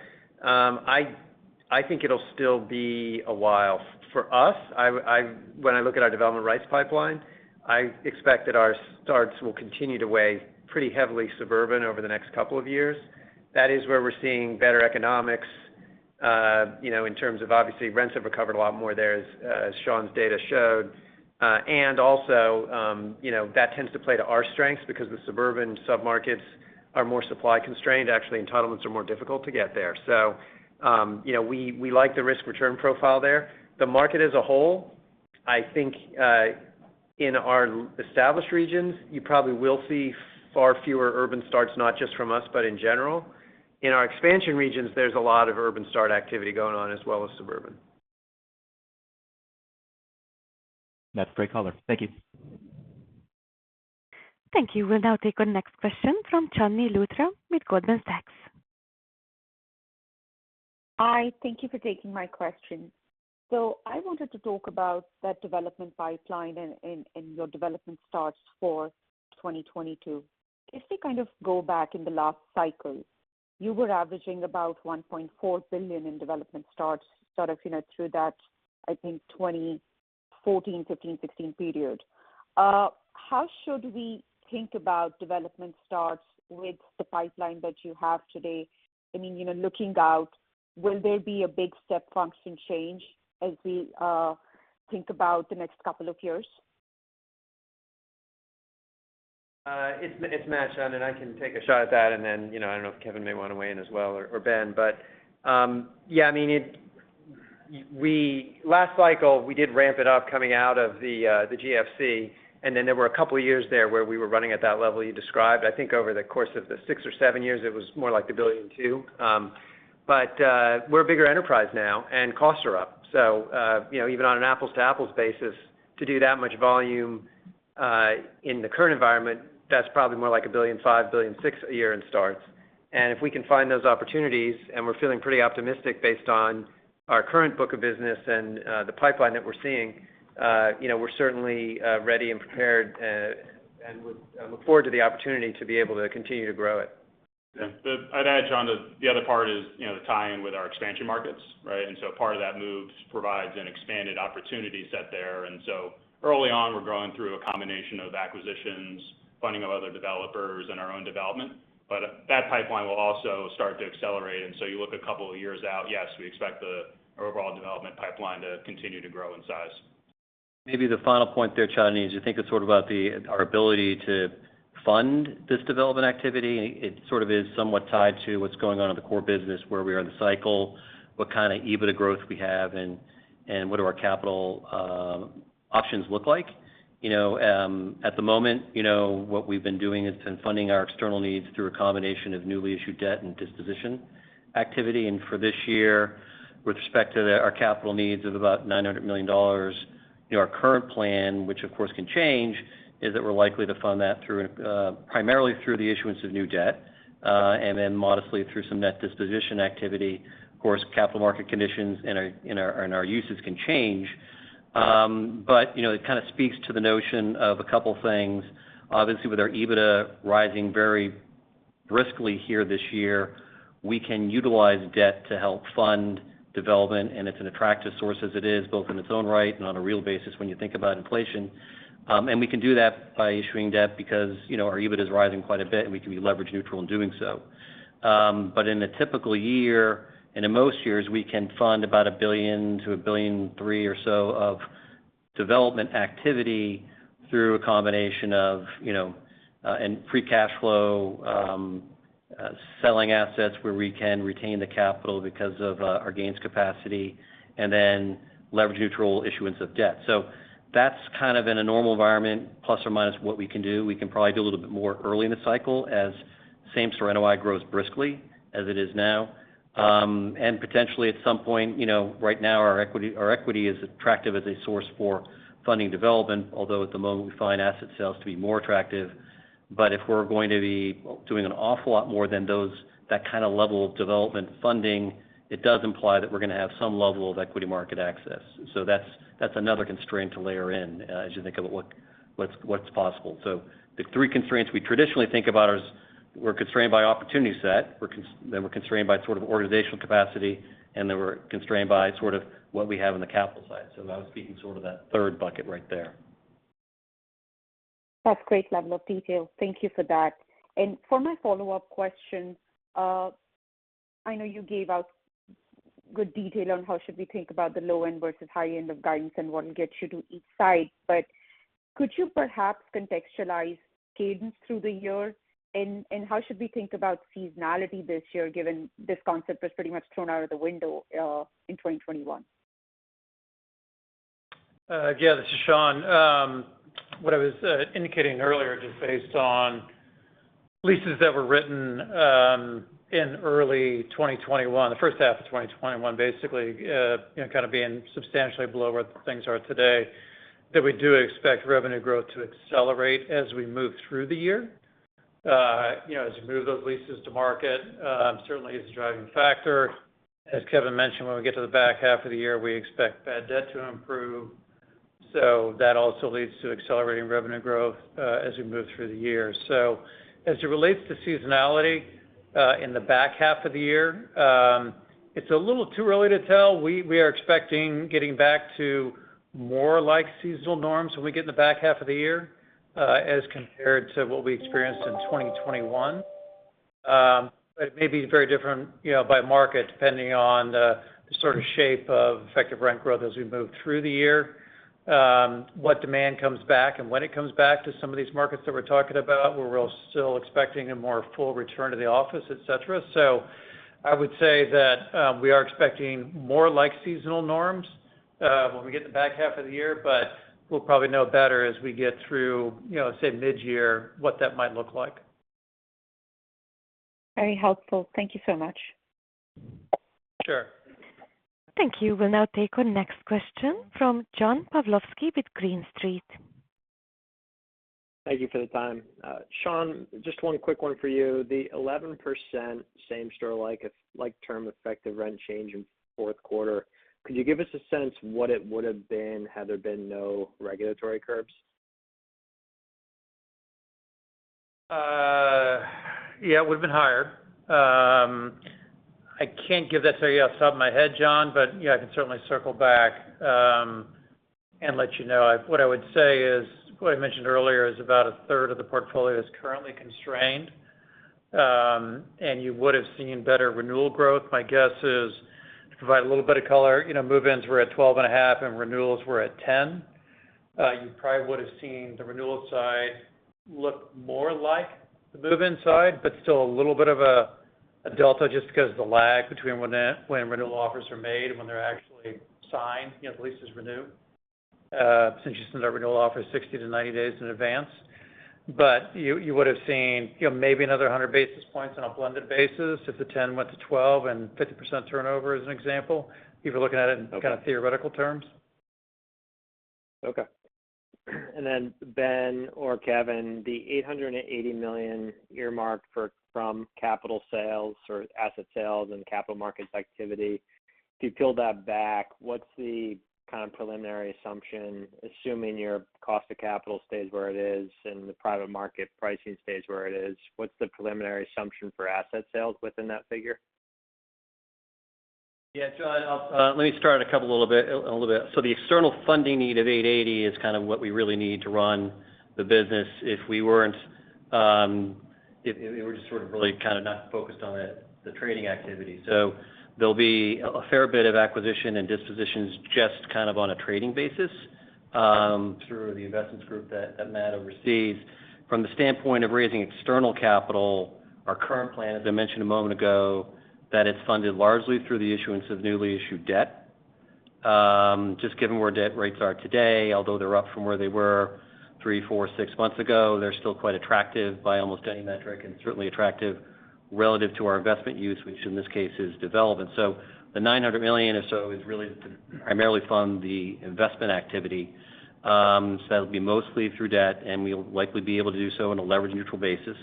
I think it'll still be a while. For us, when I look at our development rights pipeline, I expect that our starts will continue to weigh pretty heavily suburban over the next couple of years. That is where we're seeing better economics, you know, in terms of, obviously, rents have recovered a lot more there as Sean's data showed. Also, you know, that tends to play to our strengths because the suburban submarkets are more supply-constrained. Actually, entitlements are more difficult to get there. You know, we like the risk-return profile there. The market as a whole, I think, in our established regions, you probably will see far fewer urban starts, not just from us, but in general. In our expansion regions, there's a lot of urban start activity going on as well as suburban. That's great color. Thank you. Thank you. We'll now take our next question from Chandni Luthra with Goldman Sachs. Hi, thank you for taking my question. I wanted to talk about that development pipeline and your development starts for 2022. If we kind of go back in the last cycle, you were averaging about $1.4 billion in development starts sort of, you know, through that, I think, 2014, 2015, 2016 period. How should we think about development starts with the pipeline that you have today? I mean, you know, looking out, will there be a big step function change as we think about the next couple of years? It's Matt, Chandni, and I can take a shot at that. You know, I don't know if Kevin may want to weigh in as well or Ben. Yeah, I mean, last cycle, we did ramp it up coming out of the GFC, and then there were a couple of years there where we were running at that level you described. I think over the course of the six or seven years, it was more like $1.2 billion. We're a bigger enterprise now, and costs are up. You know, even on an apples-to-apples basis, to do that much volume in the current environment, that's probably more like $1.5 billion-$1.6 billion a year in starts. If we can find those opportunities, and we're feeling pretty optimistic based on our current book of business and the pipeline that we're seeing, you know, we're certainly ready and prepared, and would look forward to the opportunity to be able to continue to grow it. Yeah. I'd add, Chandni, the other part is, you know, the tie-in with our expansion markets, right? Part of that move provides an expanded opportunity set there. Early on, we're growing through a combination of acquisitions, funding of other developers and our own development. That pipeline will also start to accelerate. You look a couple of years out, yes, we expect the overall development pipeline to continue to grow in size. Maybe the final point there, Chandni, is I think it's sort of about our ability to fund this development activity. It sort of is somewhat tied to what's going on in the core business, where we are in the cycle, what kind of EBITDA growth we have, and what do our capital options look like. You know, at the moment, you know, what we've been doing has been funding our external needs through a combination of newly issued debt and disposition activity. For this year, with respect to our capital needs of about $900 million, you know, our current plan, which of course can change, is that we're likely to fund that through primarily through the issuance of new debt and then modestly through some net disposition activity. Of course, capital market conditions and our uses can change. You know, it kind of speaks to the notion of a couple things. Obviously, with our EBITDA rising very briskly here this year, we can utilize debt to help fund development, and it's an attractive source as it is, both in its own right and on a real basis when you think about inflation. We can do that by issuing debt because, you know, our EBITDA is rising quite a bit, and we can be leverage neutral in doing so. In a typical year, and in most years, we can fund about $1 billion-$1.3 billion or so of development activity through a combination of, you know, and free cash flow, selling assets where we can retain the capital because of our gains capacity, and then leverage neutral issuance of debt. That's kind of in a normal environment, plus or minus what we can do. We can probably do a little bit more early in the cycle as same store NOI grows briskly as it is now. Potentially at some point, you know, right now our equity is attractive as a source for funding development. Although at the moment, we find asset sales to be more attractive. If we're going to be doing an awful lot more than those, that kind of level of development funding, it does imply that we're gonna have some level of equity market access. That's another constraint to layer in, as you think of what's possible. The three constraints we traditionally think about is we're constrained by opportunity set. We're constrained by sort of organizational capacity, and then we're constrained by sort of what we have on the capital side. That was speaking sort of that third bucket right there. That's great level of detail. Thank you for that. For my follow-up question, I know you gave out good detail on how should we think about the low end versus high end of guidance and what gets you to each side. Could you perhaps contextualize cadence through the year? How should we think about seasonality this year, given this concept was pretty much thrown out of the window in 2021? Yeah, this is Sean. What I was indicating earlier, just based on leases that were written in early 2021, the first half of 2021, basically, you know, kind of being substantially below where things are today, that we do expect revenue growth to accelerate as we move through the year. You know, as you move those leases to market, certainly is a driving factor. As Kevin mentioned, when we get to the back half of the year, we expect bad debt to improve. That also leads to accelerating revenue growth as we move through the year. As it relates to seasonality, in the back half of the year, it's a little too early to tell. We are expecting getting back to more like seasonal norms when we get in the back half of the year as compared to what we experienced in 2021. It may be very different, you know, by market depending on the sort of shape of effective rent growth as we move through the year, what demand comes back and when it comes back to some of these markets that we're talking about, where we're still expecting a more full return to the office, et cetera. I would say that we are expecting more like seasonal norms when we get to the back half of the year, but we'll probably know better as we get through, you know, say mid-year, what that might look like. Very helpful. Thank you so much. Sure. Thank you. We'll now take our next question from John Pawlowski with Green Street. Thank you for the time. Sean, just one quick one for you. The 11% same-store like-term effective rent change in fourth quarter, could you give us a sense of what it would have been had there been no regulatory curbs? Yeah, it would have been higher. I can't give that to you off the top of my head, John, but, you know, I can certainly circle back, and let you know. What I would say is, what I mentioned earlier is about a third of the portfolio is currently constrained, and you would have seen better renewal growth. My guess is to provide a little bit of color, you know, move-ins were at 12.5%, and renewals were at 10%. You probably would have seen the renewal side look more like the move-in side, but still a little bit of a delta just because the lag between when renewal offers are made and when they're actually signed, you know, the lease is renewed, since you send that renewal offer 60-90 days in advance. You would've seen, you know, maybe another 100 basis points on a blended basis if the 10 went to 12 and 50% turnover as an example, if you're looking at it in kind of theoretical terms. Okay. Ben or Kevin, the $880 million earmarked for, from capital sales or asset sales and capital markets activity, if you peel that back, what's the kind of preliminary assumption, assuming your cost of capital stays where it is and the private market pricing stays where it is, what's the preliminary assumption for asset sales within that figure? Yeah, John, let me start a little bit. The external funding need of $880 million is kind of what we really need to run the business if we're just sort of really kind of not focused on the trading activity. There'll be a fair bit of acquisition and dispositions just kind of on a trading basis through the investments group that Matt oversees. From the standpoint of raising external capital, our current plan, as I mentioned a moment ago, is funded largely through the issuance of newly issued debt. Just given where debt rates are today, although they're up from where they were three, four, six months ago, they're still quite attractive by almost any metric, and certainly attractive relative to our investment use, which in this case is development. The $900 million or so is really to primarily fund the investment activity. That'll be mostly through debt, and we'll likely be able to do so on a leverage-neutral basis.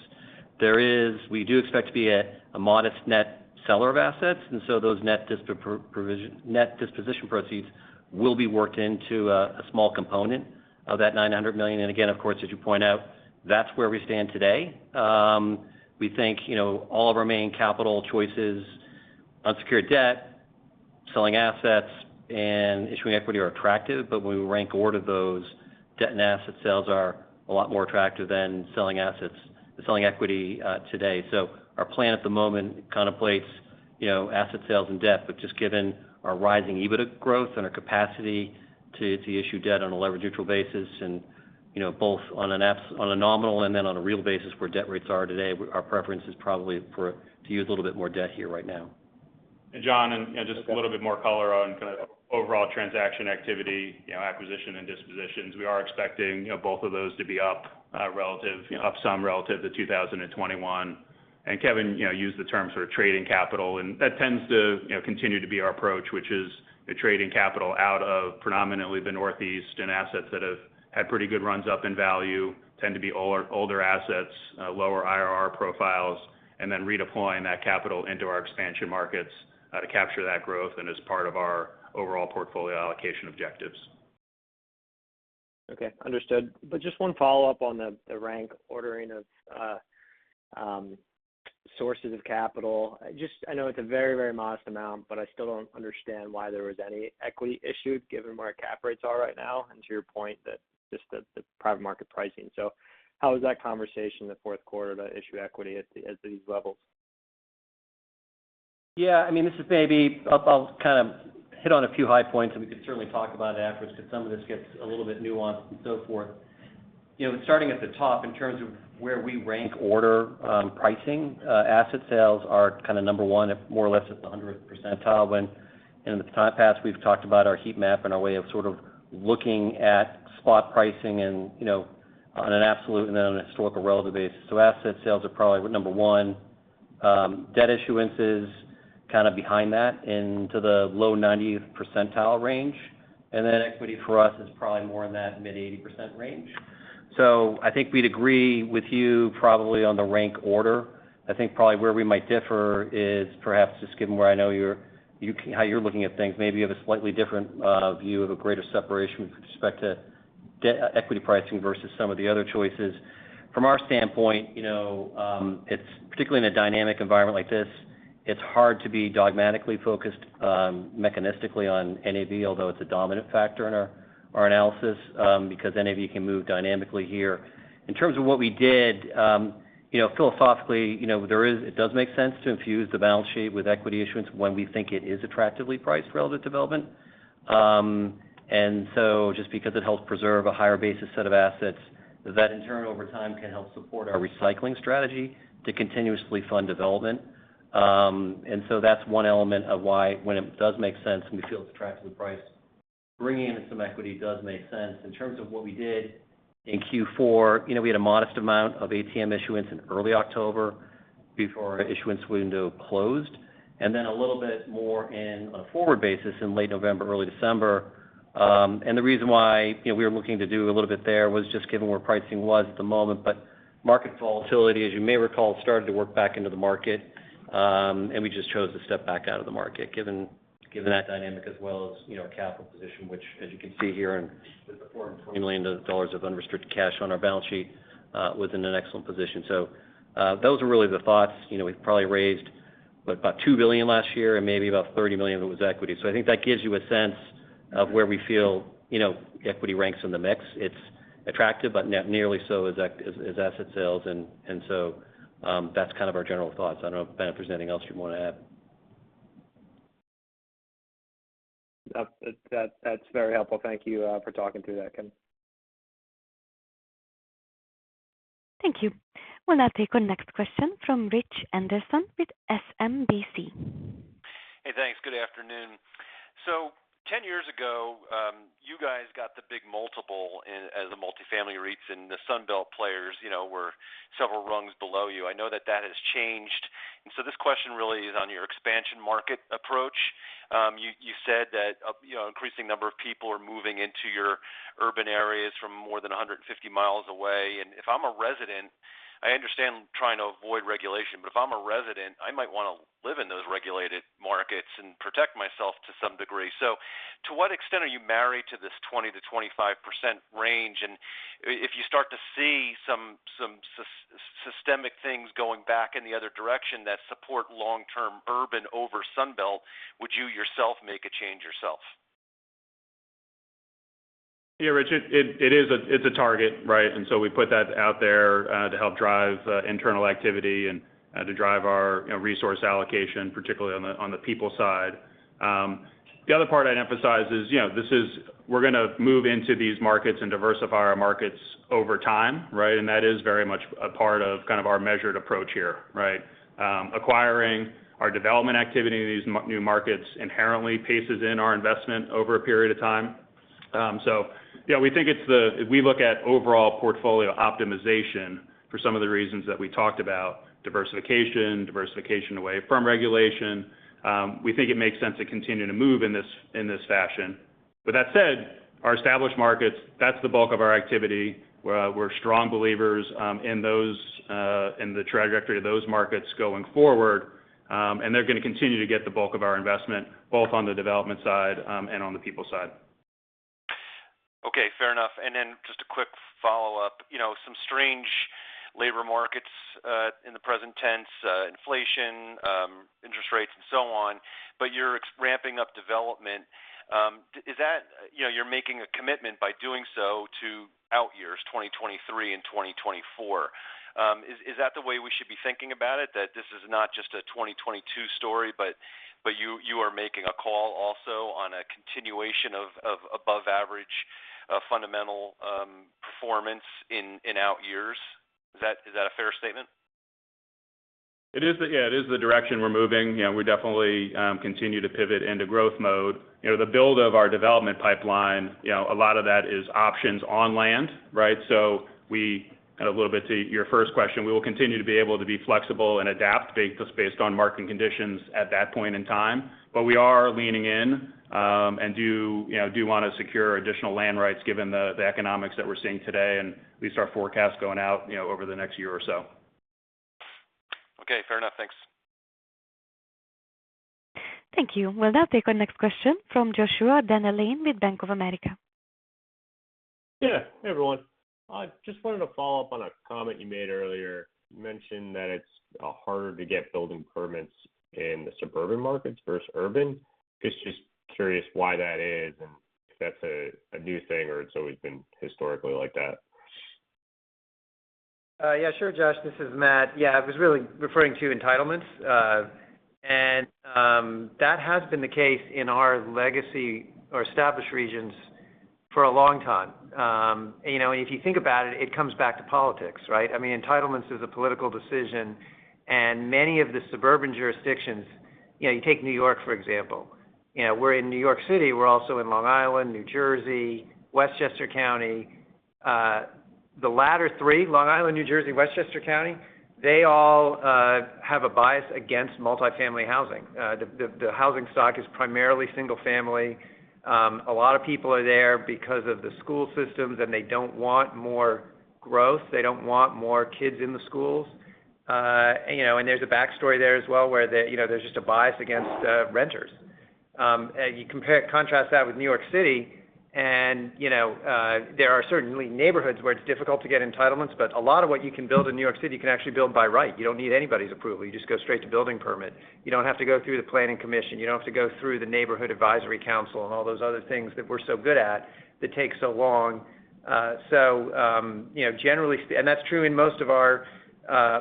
We do expect to be a modest net seller of assets, and so those net disposition proceeds will be worked into a small component of that $900 million. Again, of course, as you point out, that's where we stand today. We think, you know, all of our main capital choices, unsecured debt, selling assets, and issuing equity are attractive, but when we rank order those, debt and asset sales are a lot more attractive than selling equity today. Our plan at the moment contemplates, you know, asset sales and debt, but just given our rising EBITDA growth and our capacity to issue debt on a leverage-neutral basis and, you know, both on a nominal and then on a real basis where debt rates are today, our preference is probably for to use a little bit more debt here right now. John, you know, just a little bit more color on kind of overall transaction activity, you know, acquisitions and dispositions. We are expecting, you know, both of those to be up somewhat relative to 2021. Kevin, you know, used the term sort of trading capital, and that tends to, you know, continue to be our approach, which is the trading capital out of predominantly the Northeast and assets that have had pretty good runs up in value, tend to be older assets, lower IRR profiles, and then redeploying that capital into our expansion markets, to capture that growth and as part of our overall portfolio allocation objectives. Okay, understood. Just one follow-up on the rank ordering of sources of capital. I know it's a very, very modest amount, but I still don't understand why there was any equity issued given where cap rates are right now, and to your point that just the private market pricing. How was that conversation in the fourth quarter to issue equity at these levels? Yeah. I mean, this is maybe. I'll kind of hit on a few high points, and we can certainly talk about it afterwards because some of this gets a little bit nuanced and so forth. You know, starting at the top in terms of where we rank order, pricing, asset sales are kind of number one at more or less at the 100th percentile when, in times past, we've talked about our heat map and our way of sort of looking at spot pricing and, you know, on an absolute and then on a historical relative basis. So asset sales are probably number one. Debt issuance is kind of behind that into the low 90th percentile range. And then equity for us is probably more in that mid-80% range. So I think we'd agree with you probably on the rank order. I think probably where we might differ is perhaps just given where I know how you're looking at things, maybe you have a slightly different view of a greater separation with respect to equity pricing versus some of the other choices. From our standpoint, you know, it's particularly in a dynamic environment like this, it's hard to be dogmatically focused mechanistically on NAV, although it's a dominant factor in our analysis, because NAV can move dynamically here. In terms of what we did, you know, philosophically, you know, it does make sense to infuse the balance sheet with equity issuance when we think it is attractively priced relative to development. Just because it helps preserve a higher basis set of assets, that in turn over time can help support our recycling strategy to continuously fund development. That's one element of why, when it does make sense and we feel it's attractively priced, bringing in some equity does make sense. In terms of what we did in Q4, you know, we had a modest amount of ATM issuance in early October before our issuance window closed, and then a little bit more in a forward basis in late November, early December. The reason why, you know, we were looking to do a little bit there was just given where pricing was at the moment. Market volatility, as you may recall, started to work back into the market, and we just chose to step back out of the market, given that dynamic as well as, you know, capital position, which, as you can see here in the $24 million of unrestricted cash on our balance sheet, was in an excellent position. Those are really the thoughts. You know, we've probably raised, what, about $2 billion last year and maybe about $30 million was equity. I think that gives you a sense of where we feel, you know, equity ranks in the mix. It's attractive, but nearly so as asset sales. That's kind of our general thoughts. I don't know if, Ben, there's anything else you'd want to add. That's very helpful. Thank you for talking through that, Kevin. Thank you. We'll now take our next question from Richard Anderson with SMBC. Hey, thanks. Good afternoon. 10 years ago, you guys got the big multiple as the multifamily REITs and the Sun Belt players, you know, were several rungs below you. I know that has changed, and this question really is on your expansion market approach. You said that, you know, increasing number of people are moving into your urban areas from more than 150 miles away. If I'm a resident, I understand trying to avoid regulation, but if I'm a resident, I might wanna live in those regulated markets and protect myself to some degree. To what extent are you married to this 20%-25% range? If you start to see some systemic things going back in the other direction that support long-term urban over Sun Belt, would you yourself make a change yourself? Yeah, Rich. It is a target, right? We put that out there to help drive internal activity and to drive our resource allocation, particularly on the people side. The other part I'd emphasize is, you know, this is. We're gonna move into these markets and diversify our markets over time, right? That is very much a part of our measured approach here, right? Acquiring our development activity in these new markets inherently paces our investment over a period of time. Yeah, we think if we look at overall portfolio optimization for some of the reasons that we talked about, diversification away from regulation, we think it makes sense to continue to move in this fashion. With that said, our established markets, that's the bulk of our activity. We're strong believers in the trajectory of those markets going forward. They're gonna continue to get the bulk of our investment, both on the development side, and on the people side. Okay. Fair enough. Then just a quick follow-up. You know, some strange labor markets in the present tense, inflation, interest rates and so on, but you're ramping up development. You know, you're making a commitment by doing so to out years, 2023 and 2024. Is that the way we should be thinking about it, that this is not just a 2022 story, but you are making a call also on a continuation of above average fundamental performance in out years? Is that a fair statement? It is the direction we're moving. You know, we definitely continue to pivot into growth mode. You know, the build of our development pipeline, you know, a lot of that is options on land, right? A little bit to your first question, we will continue to be able to be flexible and adapt based on market conditions at that point in time. We are leaning in, and, you know, do wanna secure additional land rights given the economics that we're seeing today, and at least our forecast going out, you know, over the next year or so. Okay, fair enough. Thanks. Thank you. We'll now take our next question from Joshua Dennerlein with Bank of America. Yeah. Hey, everyone. I just wanted to follow up on a comment you made earlier. You mentioned that it's harder to get building permits in the suburban markets versus urban. I'm just curious why that is, and if that's a new thing or it's always been historically like that. Yeah, sure, Josh. This is Matt. Yeah, I was really referring to entitlements. That has been the case in our legacy or established regions for a long time. You know, and if you think about it comes back to politics, right? I mean, entitlements is a political decision, and many of the suburban jurisdictions you know, you take New York, for example, you know, we're in New York City, we're also in Long Island, New Jersey, Westchester County. The latter three, Long Island, New Jersey, Westchester County, they all have a bias against multi-family housing. The housing stock is primarily single-family. A lot of people are there because of the school systems, and they don't want more growth. They don't want more kids in the schools. There's a backstory there as well, where the you know there's just a bias against renters. Contrast that with New York City, you know there are certainly neighborhoods where it's difficult to get entitlements, but a lot of what you can build in New York City, you can actually build by right. You don't need anybody's approval. You just go straight to building permit. You don't have to go through the planning commission. You don't have to go through the neighborhood advisory council and all those other things that we're so good at that take so long. You know generally. That's true in most of our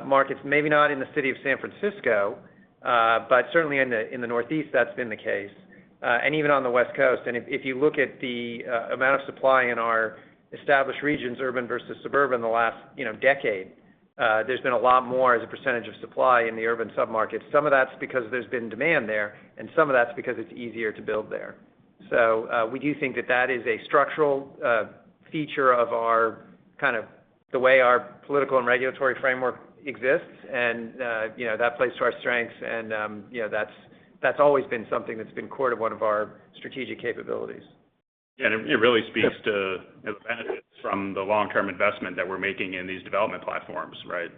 markets. Maybe not in the city of San Francisco, but certainly in the Northeast, that's been the case and even on the West Coast. If you look at the amount of supply in our established regions, urban versus suburban, the last, you know, decade, there's been a lot more as a percentage of supply in the urban submarkets. Some of that's because there's been demand there, and some of that's because it's easier to build there. We do think that is a structural feature of our kind of the way our political and regulatory framework exists. You know, that plays to our strengths and, you know, that's always been something that's been core to one of our strategic capabilities. It really speaks to the benefits from the long-term investment that we're making in these development platforms, right?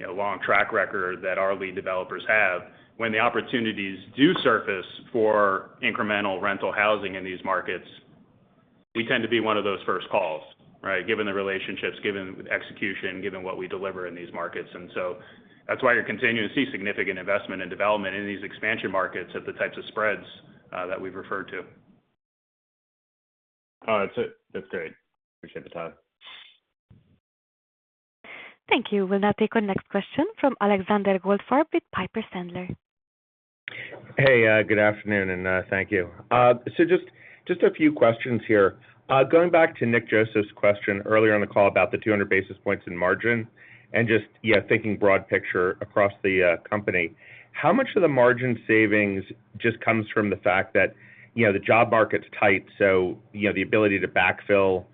You know, long track record that our lead developers have. When the opportunities do surface for incremental rental housing in these markets, we tend to be one of those first calls, right? Given the relationships, given execution, given what we deliver in these markets. That's why you're continuing to see significant investment in development in these expansion markets at the types of spreads that we've referred to. All right. That's great. I appreciate the time. Thank you. We'll now take our next question from Alexander Goldfarb with Piper Sandler. Hey, good afternoon, and thank you. Just a few questions here. Going back to Nick Joseph's question earlier on the call about the 200 basis points in margin and just yeah, thinking big picture across the company. How much of the margin savings just comes from the fact that, you know, the job market's tight, so, you know, the ability to backfill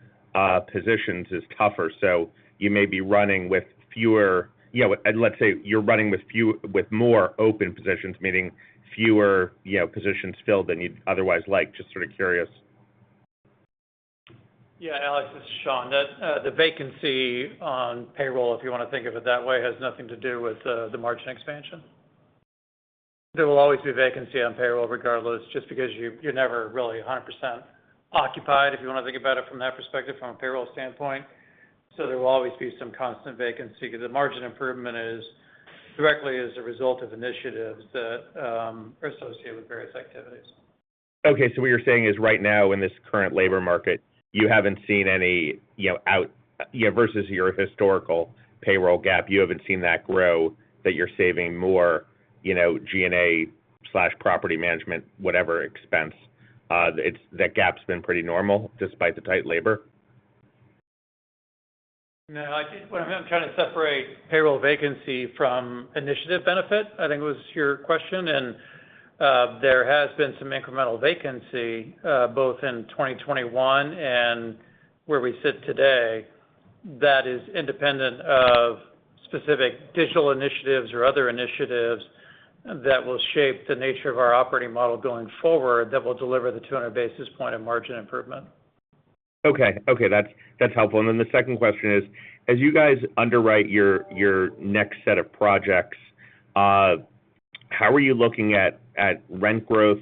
positions is tougher, so you may be running with fewer. You know, let's say you're running with more open positions, meaning fewer, you know, positions filled than you'd otherwise like. Just sort of curious. Yeah. Alex, this is Sean. The vacancy on payroll, if you wanna think of it that way, has nothing to do with the margin expansion. There will always be vacancy on payroll regardless, just because you're never really 100% occupied, if you wanna think about it from that perspective, from a payroll standpoint. There will always be some constant vacancy. The margin improvement is directly as a result of initiatives that are associated with various activities. Okay. What you're saying is right now in this current labor market, you haven't seen any, you know, versus your historical payroll gap, you haven't seen that grow, that you're saving more, you know, G&A/property management, whatever expense. It's that gap's been pretty normal despite the tight labor? No, I think what I'm trying to separate payroll vacancy from initiative benefit, I think was your question. There has been some incremental vacancy, both in 2021 and where we sit today that is independent of specific digital initiatives or other initiatives that will shape the nature of our operating model going forward that will deliver the 200 basis point of margin improvement. Okay. That's helpful. The second question is, as you guys underwrite your next set of projects, how are you looking at rent growth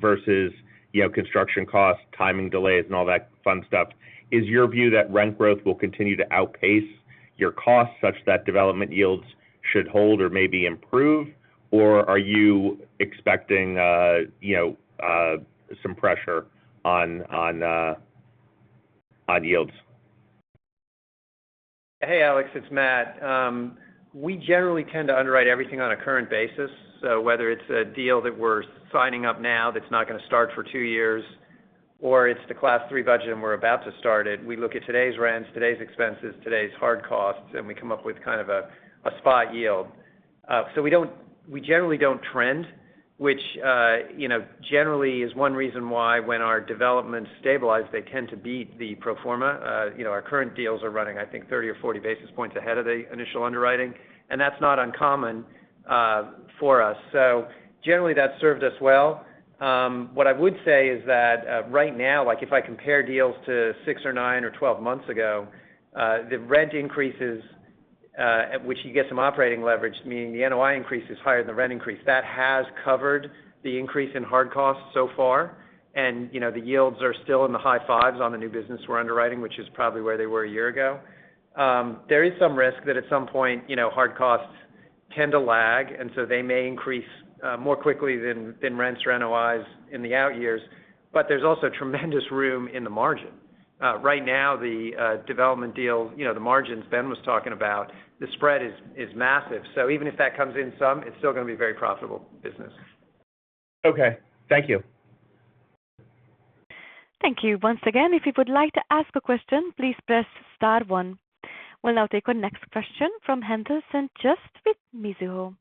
versus, you know, construction costs, timing delays and all that fun stuff? Is your view that rent growth will continue to outpace your costs, such that development yields should hold or maybe improve? Or are you expecting, you know, some pressure on yields? Hey, Alex, it's Matt. We generally tend to underwrite everything on a current basis. Whether it's a deal that we're signing up now that's not gonna start for two years or it's the class three budget and we're about to start it. We look at today's rents, today's expenses, today's hard costs, and we come up with kind of a spot yield. We generally don't trend, which, you know, generally is one reason why when our developments stabilize, they tend to beat the pro forma. You know, our current deals are running, I think 30 or 40 basis points ahead of the initial underwriting, and that's not uncommon, for us. Generally, that served us well. What I would say is that, right now, like if I compare deals to six or nine or twelve months ago, the rent increases, at which you get some operating leverage, meaning the NOI increase is higher than the rent increase, that has covered the increase in hard costs so far. You know, the yields are still in the high 5s on the new business we're underwriting, which is probably where they were a year ago. There is some risk that at some point, you know, hard costs tend to lag, and so they may increase more quickly than rents or NOIs in the out years. There's also tremendous room in the margin. Right now, the development deal, you know, the margins Ben was talking about, the spread is massive. Even if that comes in some, it's still gonna be very profitable business. Okay. Thank you. Thank you. Once again, if you would like to ask a question, please press star one. We'll now take our next question from Haendel St. Juste with Mizuho.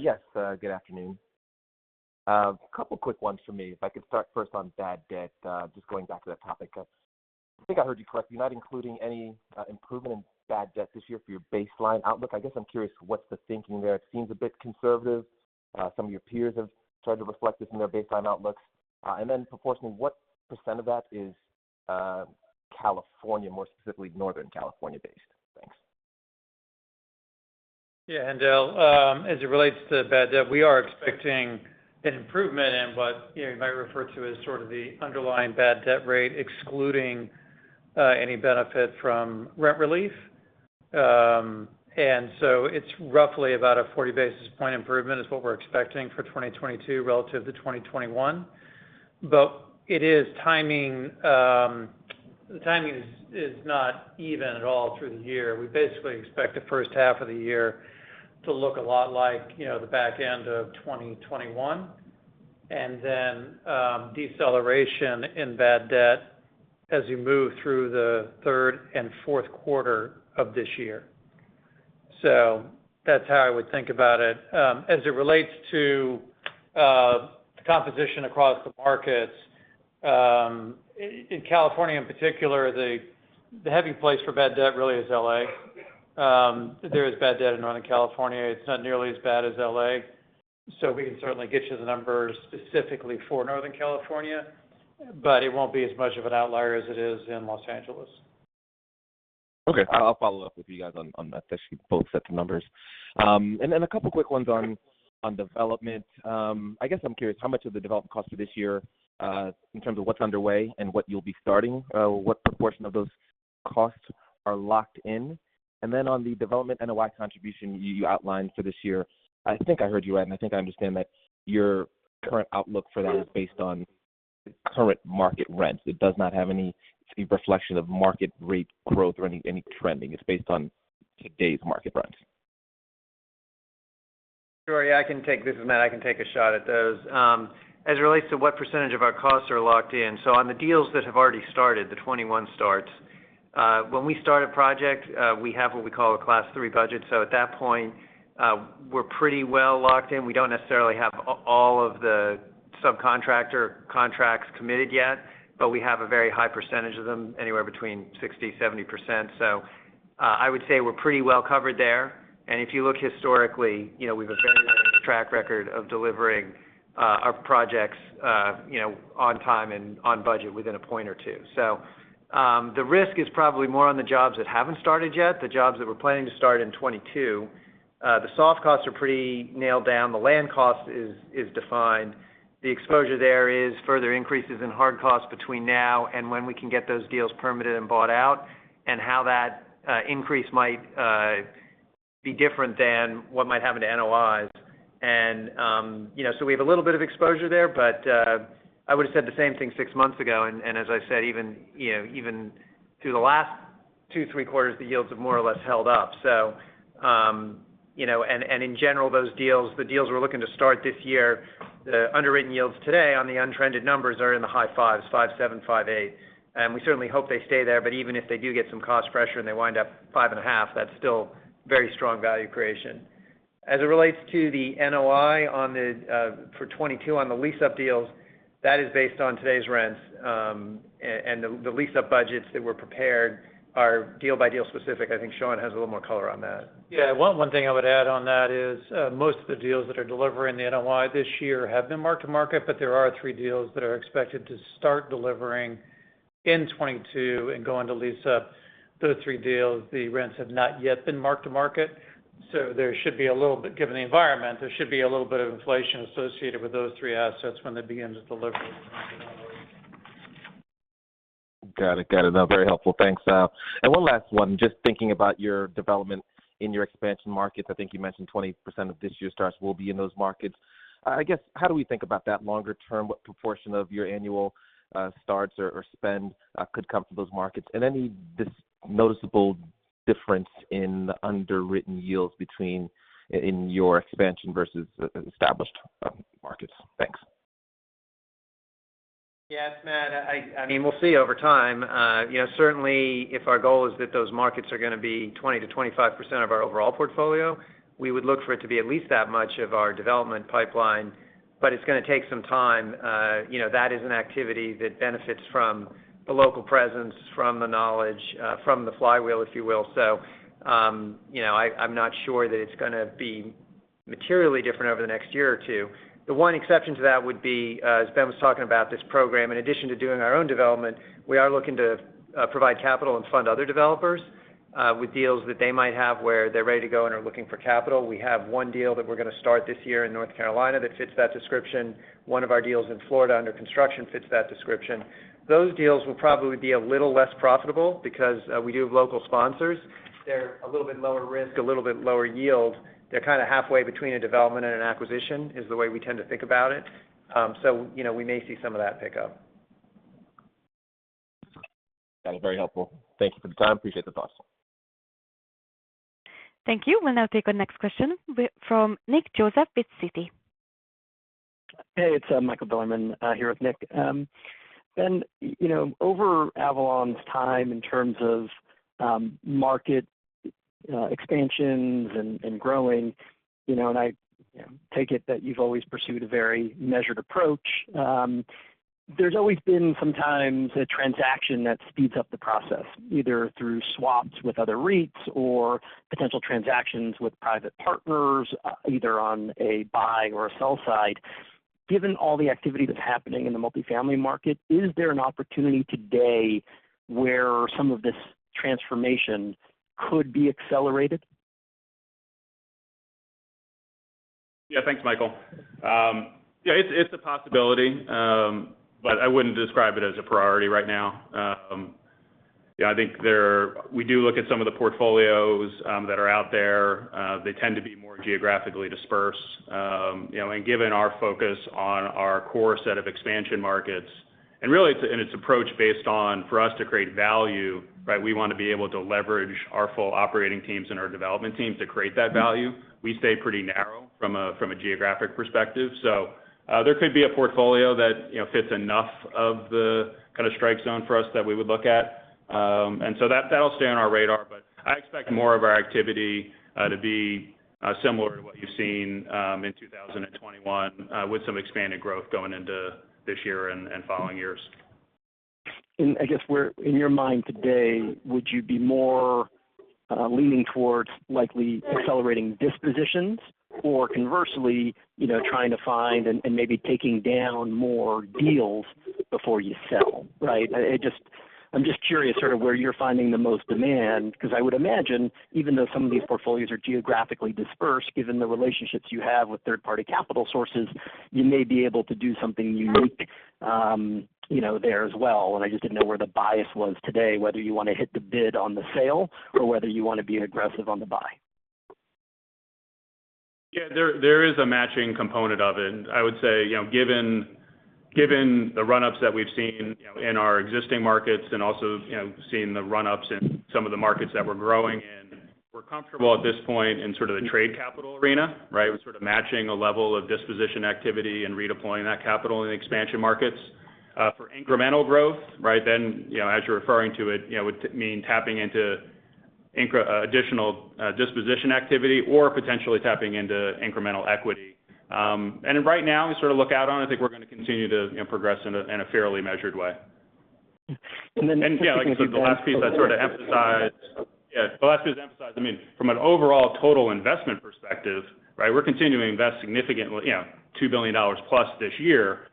Yes, good afternoon. A couple quick ones for me. If I could start first on bad debt, just going back to that topic. I think I heard you correctly, you're not including any improvement in bad debt this year for your baseline outlook. I guess I'm curious what's the thinking there? It seems a bit conservative. Some of your peers have started to reflect this in their baseline outlooks. Then proportionally, what % of that is California, more specifically Northern California-based? Thanks. Yeah, Haendel. As it relates to bad debt, we are expecting an improvement in what, you know, you might refer to as sort of the underlying bad debt rate, excluding any benefit from rent relief. It's roughly about a 40 basis point improvement is what we're expecting for 2022 relative to 2021. It is timing. The timing is not even at all through the year. We basically expect the first half of the year to look a lot like, you know, the back end of 2021. Then, deceleration in bad debt as we move through the third and fourth quarter of this year. So that's how I would think about it. As it relates to composition across the markets, in California in particular, the heavy place for bad debt really is L.A. There is bad debt in Northern California. It's not nearly as bad as L.A. We can certainly get you the numbers specifically for Northern California, but it won't be as much of an outlier as it is in Los Angeles. Okay. I'll follow up with you guys on that, actually both sets of numbers. A couple quick ones on development. I guess I'm curious how much of the development costs for this year, in terms of what's underway and what you'll be starting, what proportion of those costs are locked in? On the development NOI contribution you outlined for this year, I think I heard you right, and I think I understand that your current outlook for that is based on the current market rents. It does not have any reflection of market rate growth or any trending. It's based on today's market rents. Sure. Yeah, this is Matt. I can take a shot at those as it relates to what percentage of our costs are locked in. On the deals that have already started, the 21 starts, when we start a project, we have what we call a class three budget. At that point, we're pretty well locked in. We don't necessarily have all of the subcontractor contracts committed yet, but we have a very high percentage of them, anywhere between 60%-70%. I would say we're pretty well covered there. If you look historically, you know, we have a very good track record of delivering our projects, you know, on time and on budget within a point or two. The risk is probably more on the jobs that haven't started yet, the jobs that we're planning to start in 2022. The soft costs are pretty nailed down. The land cost is defined. The exposure there is further increases in hard costs between now and when we can get those deals permitted and bought out and how that increase might be different than what might happen to NOIs. You know, we have a little bit of exposure there, but I would have said the same thing six months ago. As I said, even you know, even through the last two, three quarters, the yields have more or less held up. You know, in general, those deals, the deals we're looking to start this year, the underwritten yields today on the untrended numbers are in the high 5s, 5%-7%, 5%-8%. We certainly hope they stay there. Even if they do get some cost pressure and they wind up 5.5%, that's still very strong value creation. As it relates to the NOI on the for 2022 on the lease-up deals, that is based on today's rents. The lease-up budgets that were prepared are deal-by-deal specific. I think Sean has a little more color on that. Yeah. One thing I would add on that is, most of the deals that are delivering the NOI this year have been mark-to-market, but there are three deals that are expected to start delivering in 2022 and go into lease-up. Those three deals, the rents have not yet been mark-to-market, so given the environment, there should be a little bit of inflation associated with those three assets when they begin to deliver. No, very helpful. Thanks. One last one. Just thinking about your development in your expansion markets. I think you mentioned 20% of this year's starts will be in those markets. I guess, how do we think about that longer term? What proportion of your annual starts or spend could come from those markets? Any discernible difference in the underwritten yields between your expansion versus established markets. Thanks. Yes, Matt. I mean, we'll see over time. You know, certainly if our goal is that those markets are gonna be 20%-25% of our overall portfolio, we would look for it to be at least that much of our development pipeline, but it's gonna take some time. You know, that is an activity that benefits from the local presence, from the knowledge, from the flywheel, if you will. I'm not sure that it's gonna be materially different over the next year or two. The one exception to that would be, as Ben was talking about this program, in addition to doing our own development, we are looking to provide capital and fund other developers, with deals that they might have where they're ready to go and are looking for capital. We have one deal that we're gonna start this year in North Carolina that fits that description. One of our deals in Florida under construction fits that description. Those deals will probably be a little less profitable because we do have local sponsors. They're a little bit lower risk, a little bit lower yield. They're kind of halfway between a development and an acquisition, is the way we tend to think about it. You know, we may see some of that pick up. Got it. Very helpful. Thank you for the time. Appreciate the thoughts. Thank you. We'll now take our next question from Nick Joseph, Citi. Hey, it's Michael Bilerman here with Nick. Ben, you know, over Avalon's time in terms of market expansions and growing, you know, and I take it that you've always pursued a very measured approach. There's always been some times a transaction that speeds up the process, either through swaps with other REITs or potential transactions with private partners, either on a buy or a sell side. Given all the activity that's happening in the multifamily market, is there an opportunity today where some of this transformation could be accelerated? Yeah. Thanks, Michael. Yeah, it's a possibility, but I wouldn't describe it as a priority right now. Yeah, I think we do look at some of the portfolios that are out there. They tend to be more geographically dispersed. You know, given our focus on our core set of expansion markets, and really it's an approach based on, for us to create value, right, we want to be able to leverage our full operating teams and our development teams to create that value. We stay pretty narrow from a geographic perspective. There could be a portfolio that, you know, fits enough of the kind of strike zone for us that we would look at. That'll stay on our radar. I expect more of our activity to be similar to what you've seen in 2021 with some expanded growth going into this year and following years. I guess where in your mind today, would you be more leaning towards likely accelerating dispositions or conversely, you know, trying to find and maybe taking down more deals before you sell? Right. I'm just curious sort of where you're finding the most demand, because I would imagine, even though some of these portfolios are geographically dispersed, given the relationships you have with third-party capital sources, you may be able to do something unique, you know, there as well. I just didn't know where the bias was today, whether you want to hit the bid on the sale or whether you want to be aggressive on the buy. Yeah, there is a matching component of it. I would say, you know, given the run-ups that we've seen, you know, in our existing markets and also, you know, seeing the run-ups in some of the markets that we're growing in, we're comfortable at this point in sort of the trade capital arena, right, with sort of matching a level of disposition activity and redeploying that capital in expansion markets for incremental growth, right? You know, as you're referring to it, you know, would mean tapping into additional disposition activity or potentially tapping into incremental equity. Right now, we sort of look out on it. I think we're gonna continue to, you know, progress in a fairly measured way. And then- The last piece to emphasize, I mean, from an overall total investment perspective, right, we're continuing to invest significantly, you know, $2 billion plus this year.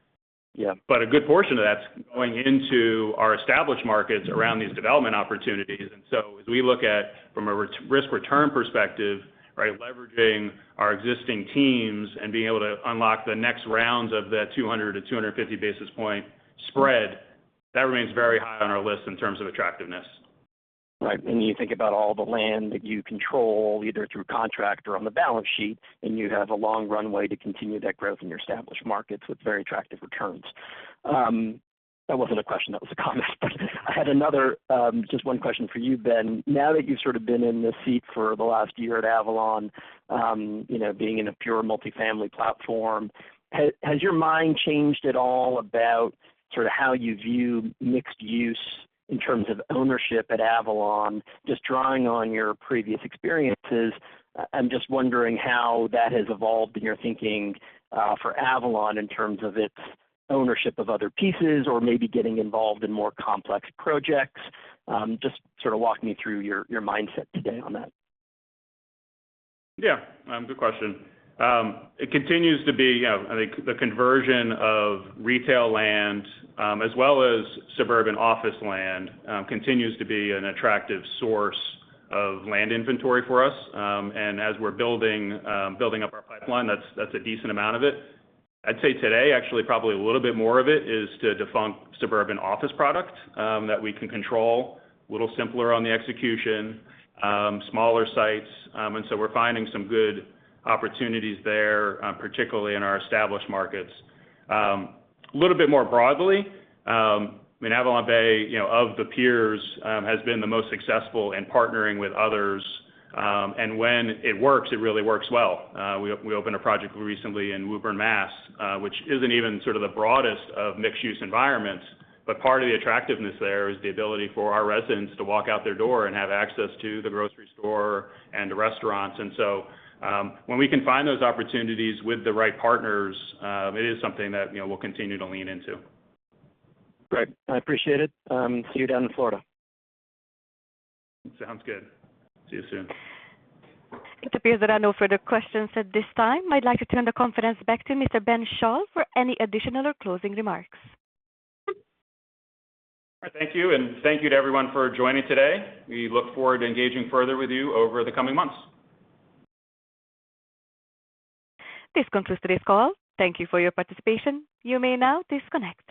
Yeah. A good portion of that's going into our established markets around these development opportunities. As we look at from a risk-return perspective, right, leveraging our existing teams and being able to unlock the next rounds of the 200-250 basis point spread, that remains very high on our list in terms of attractiveness. Right. When you think about all the land that you control, either through contract or on the balance sheet, then you have a long runway to continue that growth in your established markets with very attractive returns. That wasn't a question, that was a comment. I had another, just one question for you, Ben. Now that you've sort of been in this seat for the last year at Avalon, you know, being in a pure multifamily platform, has your mind changed at all about sort of how you view mixed use in terms of ownership at Avalon? Just drawing on your previous experiences, I'm just wondering how that has evolved in your thinking, for Avalon in terms of its ownership of other pieces or maybe getting involved in more complex projects. Just sort of walk me through your mindset today on that. Yeah. Good question. It continues to be, you know, I think the conversion of retail land, as well as suburban office land, continues to be an attractive source of land inventory for us. As we're building up our pipeline, that's a decent amount of it. I'd say today, actually, probably a little bit more of it is the defunct suburban office product, that we can control, a little simpler on the execution, smaller sites. We're finding some good opportunities there, particularly in our established markets. A little bit more broadly, I mean, AvalonBay, you know, of the peers, has been the most successful in partnering with others. When it works, it really works well. We opened a project recently in Woburn, Mass., which isn't even sort of the broadest of mixed use environments, but part of the attractiveness there is the ability for our residents to walk out their door and have access to the grocery store and restaurants. When we can find those opportunities with the right partners, it is something that, you know, we'll continue to lean into. Great. I appreciate it. See you down in Florida. Sounds good. See you soon. It appears that I have no further questions at this time. I'd like to turn the conference back to Mr. Ben Schall for any additional or closing remarks. All right. Thank you, and thank you to everyone for joining today. We look forward to engaging further with you over the coming months. This concludes today's call. Thank you for your participation. You may now disconnect.